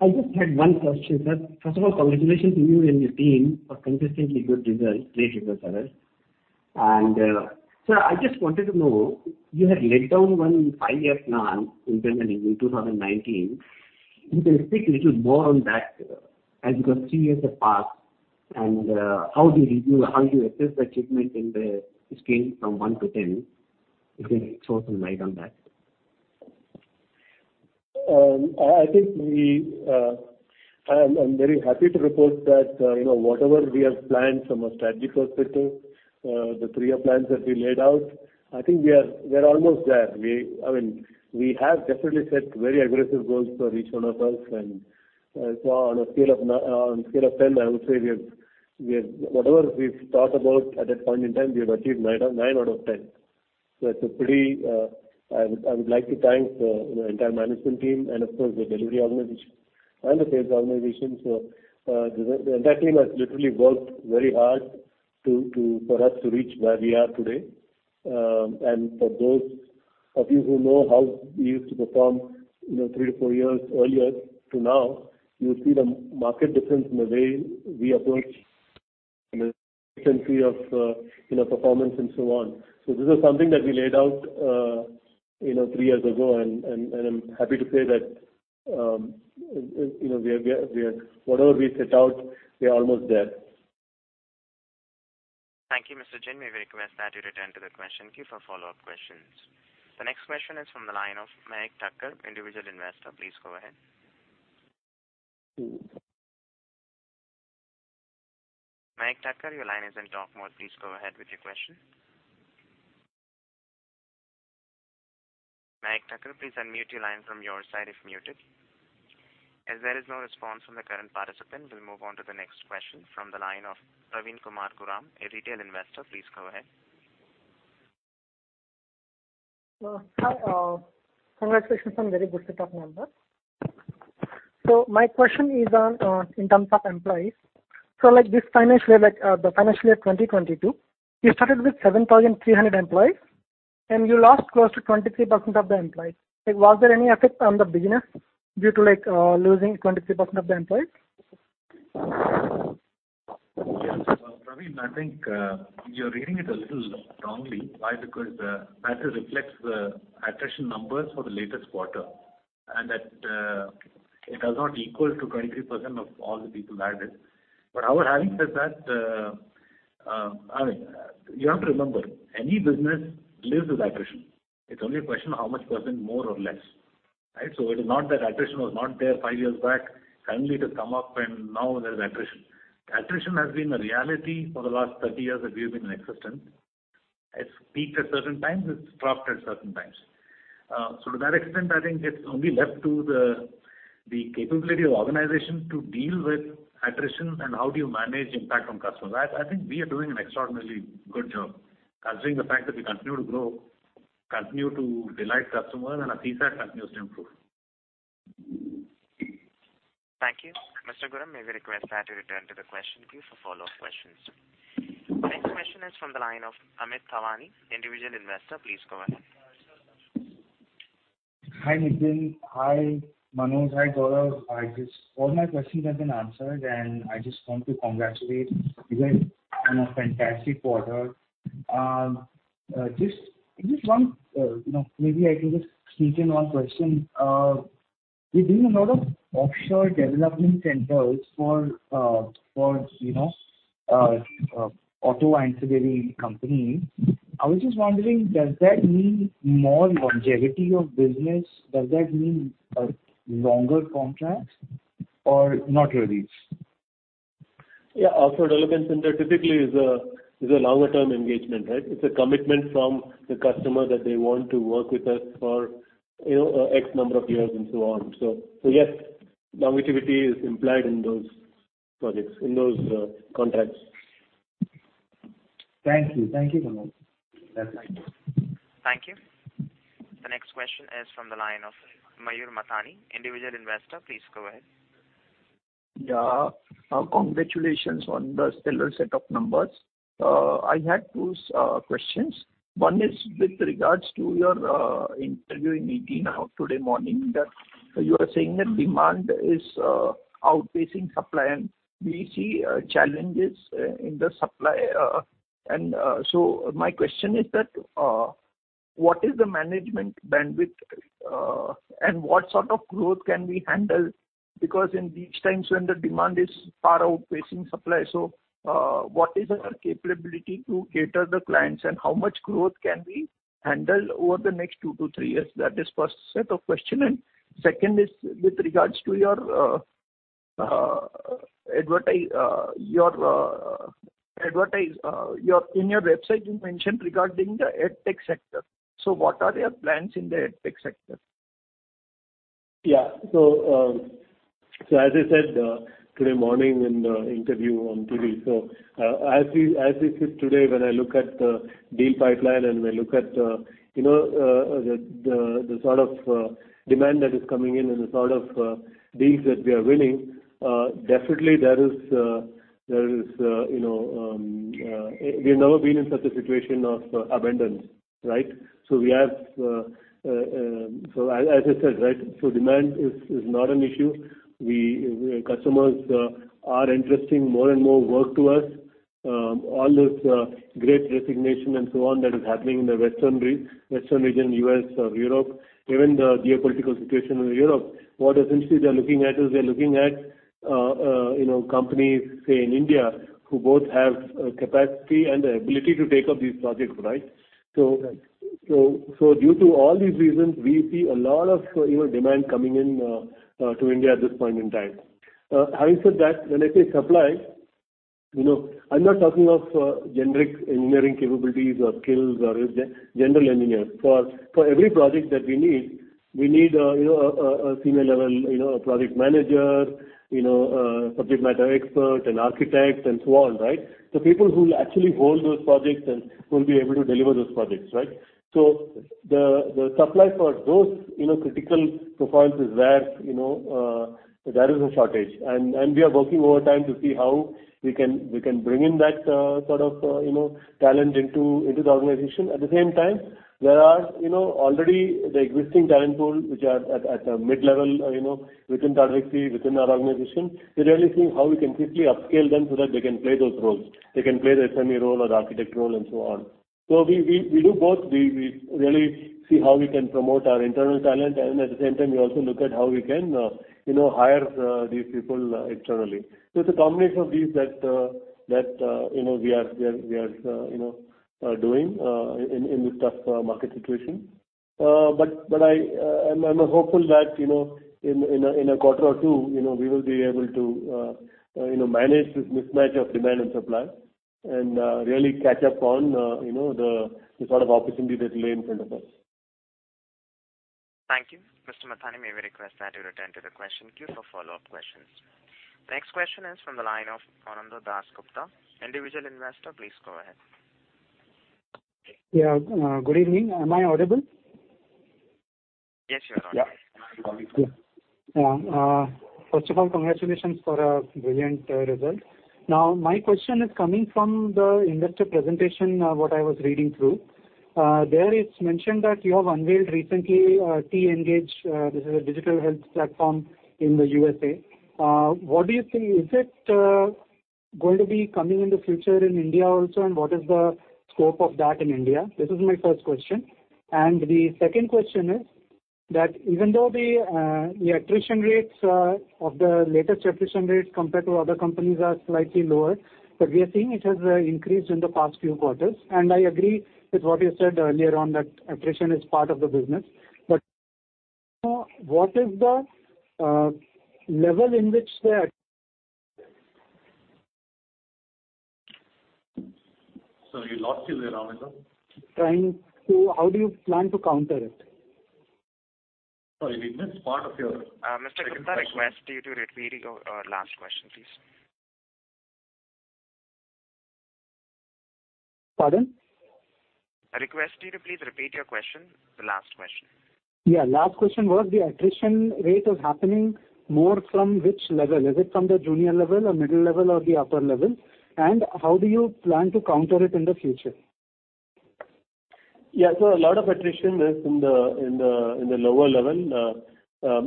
I just had one question, sir. First of all, congratulations to you and your team for consistently good results, great results I mean. Sir, I just wanted to know, you had laid down one five-year plan internally in 2019. If you can speak a little more on that, as because three years have passed, and, how do you review or how do you assess the achievement in the scale from one to 10? If you can throw some light on that. I'm very happy to report that, you know, whatever we have planned from a strategy perspective, the three-year plans that we laid out, I think we are almost there. I mean, we have definitely set very aggressive goals for each one of us. On a scale of 10, I would say, whatever we've thought about at that point in time, we have achieved 9 out of 10. I would like to thank the, you know, entire management team and, of course, the delivery organization and the sales organization. The entire team has literally worked very hard for us to reach where we are today. For those of you who know how we used to perform, you know, 3 to 4 years earlier to now, you'll see the marked difference in the way we approach, you know, consistency of, you know, performance and so on. This is something that we laid out, you know, 3 years ago. I'm happy to say that, you know, we are whatever we set out, we are almost there. Thank you, Mr. Jain. May we request that you return to the question queue for follow-up questions. The next question is from the line of Mayank Thakker, individual investor. Please go ahead. Mayank Thakker, your line is in talk mode. Please go ahead with your question. Mayank Thakker, please unmute your line from your side if muted. As there is no response from the current participant, we'll move on to the next question from the line of Praveen Kumar Gurram, a retail investor. Please go ahead. Hi. Congratulations on very good set of numbers. My question is on, in terms of employees. Like this financial year, like, the financial year 2022, you started with 7,300 employees, and you lost close to 23% of the employees. Like, was there any effect on the business due to, like, losing 23% of the employees? Yes. Praveen, I think you're reading it a little wrongly. Why? Because that reflects the attrition numbers for the latest quarter, and that it does not equal to 23% of all the people added. However, having said that, I mean, you have to remember, any business lives with attrition. It's only a question of how much percent more or less, right? It is not that attrition was not there five years back, suddenly it has come up and now there's attrition. Attrition has been a reality for the last 30 years that we have been in existence. It's peaked at certain times, it's dropped at certain times. To that extent, I think it's only left to the capability of organization to deal with attrition and how do you manage impact on customers? I think we are doing an extraordinarily good job considering the fact that we continue to grow, continue to delight customers, and our CSAT continues to improve. Thank you. Mr. Gurram, may we request that you return to the question queue for follow-up questions. Next from the line of Amit Thawani, Individual Investor. Please go ahead. Hi, Nitin. Hi, Manoj. Hi, Gaurav. All my questions have been answered, and I just want to congratulate you guys on a fantastic quarter. Just one, you know, maybe I can just sneak in one question. You're doing a lot of offshore development centers for auto ancillary companies. I was just wondering, does that mean more longevity of business? Does that mean longer contracts or not really? Yeah, offshore development center typically is a longer-term engagement, right? It's a commitment from the customer that they want to work with us for, you know, X number of years and so on. Yes, longevity is implied in those projects, contracts. Thank you. Thank you, Manoj. Yeah, thank you. Thank you. The next question is from the line of Mayur Mathani, Individual Investor. Please go ahead. Yeah. Congratulations on the stellar set of numbers. I had 2 questions. One is with regards to your interview in ET today morning that you were saying that demand is outpacing supply, and we see challenges in the supply. My question is that what is the management bandwidth, and what sort of growth can we handle? Because in these times when the demand is far outpacing supply, so what is our capability to cater the clients, and how much growth can we handle over the next 2-3 years? That is first set of question. Second is with regards to your website. You mentioned regarding the EdTech sector. What are your plans in the EdTech sector? As I said today morning in the interview on TV, as we sit today, when I look at the deal pipeline and we look at the sort of demand that is coming in and the sort of deals that we are winning, definitely we've never been in such a situation of abundance, right? We have, as I said, right, demand is not an issue. Our customers are entrusting more and more work to us. All this great resignation and so on that is happening in the western region, U.S., Europe, even the geopolitical situation in Europe, what essentially they are looking at, you know, companies, say, in India who both have capacity and the ability to take up these projects, right? Due to all these reasons, we see a lot of, you know, demand coming in to India at this point in time. Having said that, when I say supply, you know, I'm not talking of generic engineering capabilities or skills or general engineers. For every project that we need, we need, you know, a senior level, you know, project manager, you know, subject matter expert and architect and so on, right? The people who'll actually hold those projects and will be able to deliver those projects, right? The supply for those, you know, critical profiles is where, you know, there is a shortage. We are working overtime to see how we can bring in that, you know, sort of, talent into the organization. At the same time, there are, you know, already the existing talent pool which are at a mid-level, you know, within Tata Elxsi, within our organization. We're really seeing how we can quickly upscale them so that they can play those roles. They can play the SME role or the architect role and so on. We do both. We really see how we can promote our internal talent, and at the same time we also look at how we can hire these people externally. It's a combination of these that we are doing in this tough market situation. I'm hopeful that, you know, in a quarter or two, you know, we will be able to manage this mismatch of demand and supply and really catch up on, you know, the sort of opportunity that lay in front of us. Thank you. Mr. Mathani, may we request that you return to the question queue for follow-up questions. Next question is from the line of Ananda Dasgupta, individual investor. Please go ahead. Yeah. Good evening. Am I audible? Yes, you're audible. Yeah. Yeah. First of all, congratulations for a brilliant result. Now, my question is coming from the investor presentation, what I was reading through. There it's mentioned that you have unveiled recently TEngage, this is a digital health platform in the USA. What do you think, is it going to be coming in the future in India also, and what is the scope of that in India? This is my first question. The second question is that even though the latest attrition rates compared to other companies are slightly lower, but we are seeing it has increased in the past few quarters. I agree with what you said earlier on that attrition is part of the business. What is the level in which the at- Sorry, we lost you there, Ananda. How do you plan to counter it? Sorry, we missed part of your. Mr. Gupta, I request you to repeat your last question, please. Pardon? I request you to please repeat your question, the last question. Yeah. Last question was the attrition rate is happening more from which level? Is it from the junior level or middle level or the upper level? How do you plan to counter it in the future? A lot of attrition is in the lower level.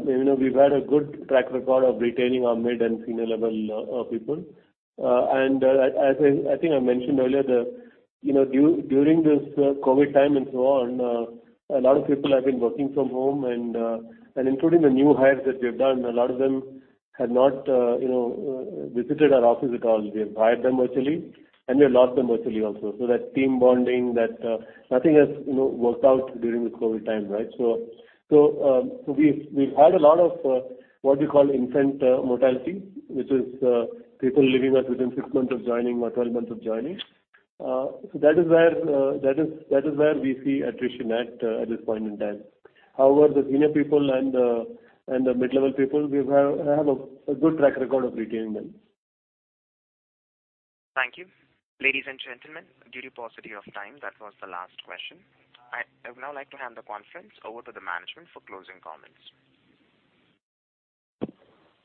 You know, we've had a good track record of retaining our mid and senior level people. As I think I mentioned earlier, you know, during this COVID time and so on, a lot of people have been working from home and including the new hires that we've done, a lot of them have not you know, visited our office at all. We have hired them virtually, and we have lost them virtually also. That team bonding nothing has you know, worked out during this COVID time, right? We've had a lot of what you call infant mortality, which is people leaving us within six months of joining or 12 months of joining. That is where we see attrition at this point in time. However, the senior people and the mid-level people, we have a good track record of retaining them. Thank you. Ladies and gentlemen, due to paucity of time, that was the last question. I would now like to hand the conference over to the management for closing comments.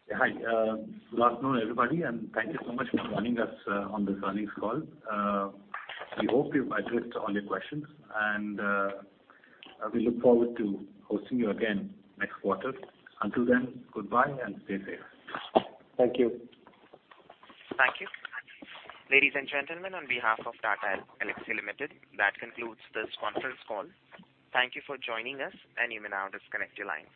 Yeah. Hi. Good afternoon, everybody, and thank you so much for joining us on this earnings call. We hope we've addressed all your questions, and we look forward to hosting you again next quarter. Until then, goodbye and stay safe. Thank you. Thank you. Ladies and gentlemen, on behalf of Tata Elxsi Limited, that concludes this conference call. Thank you for joining us, and you may now disconnect your lines.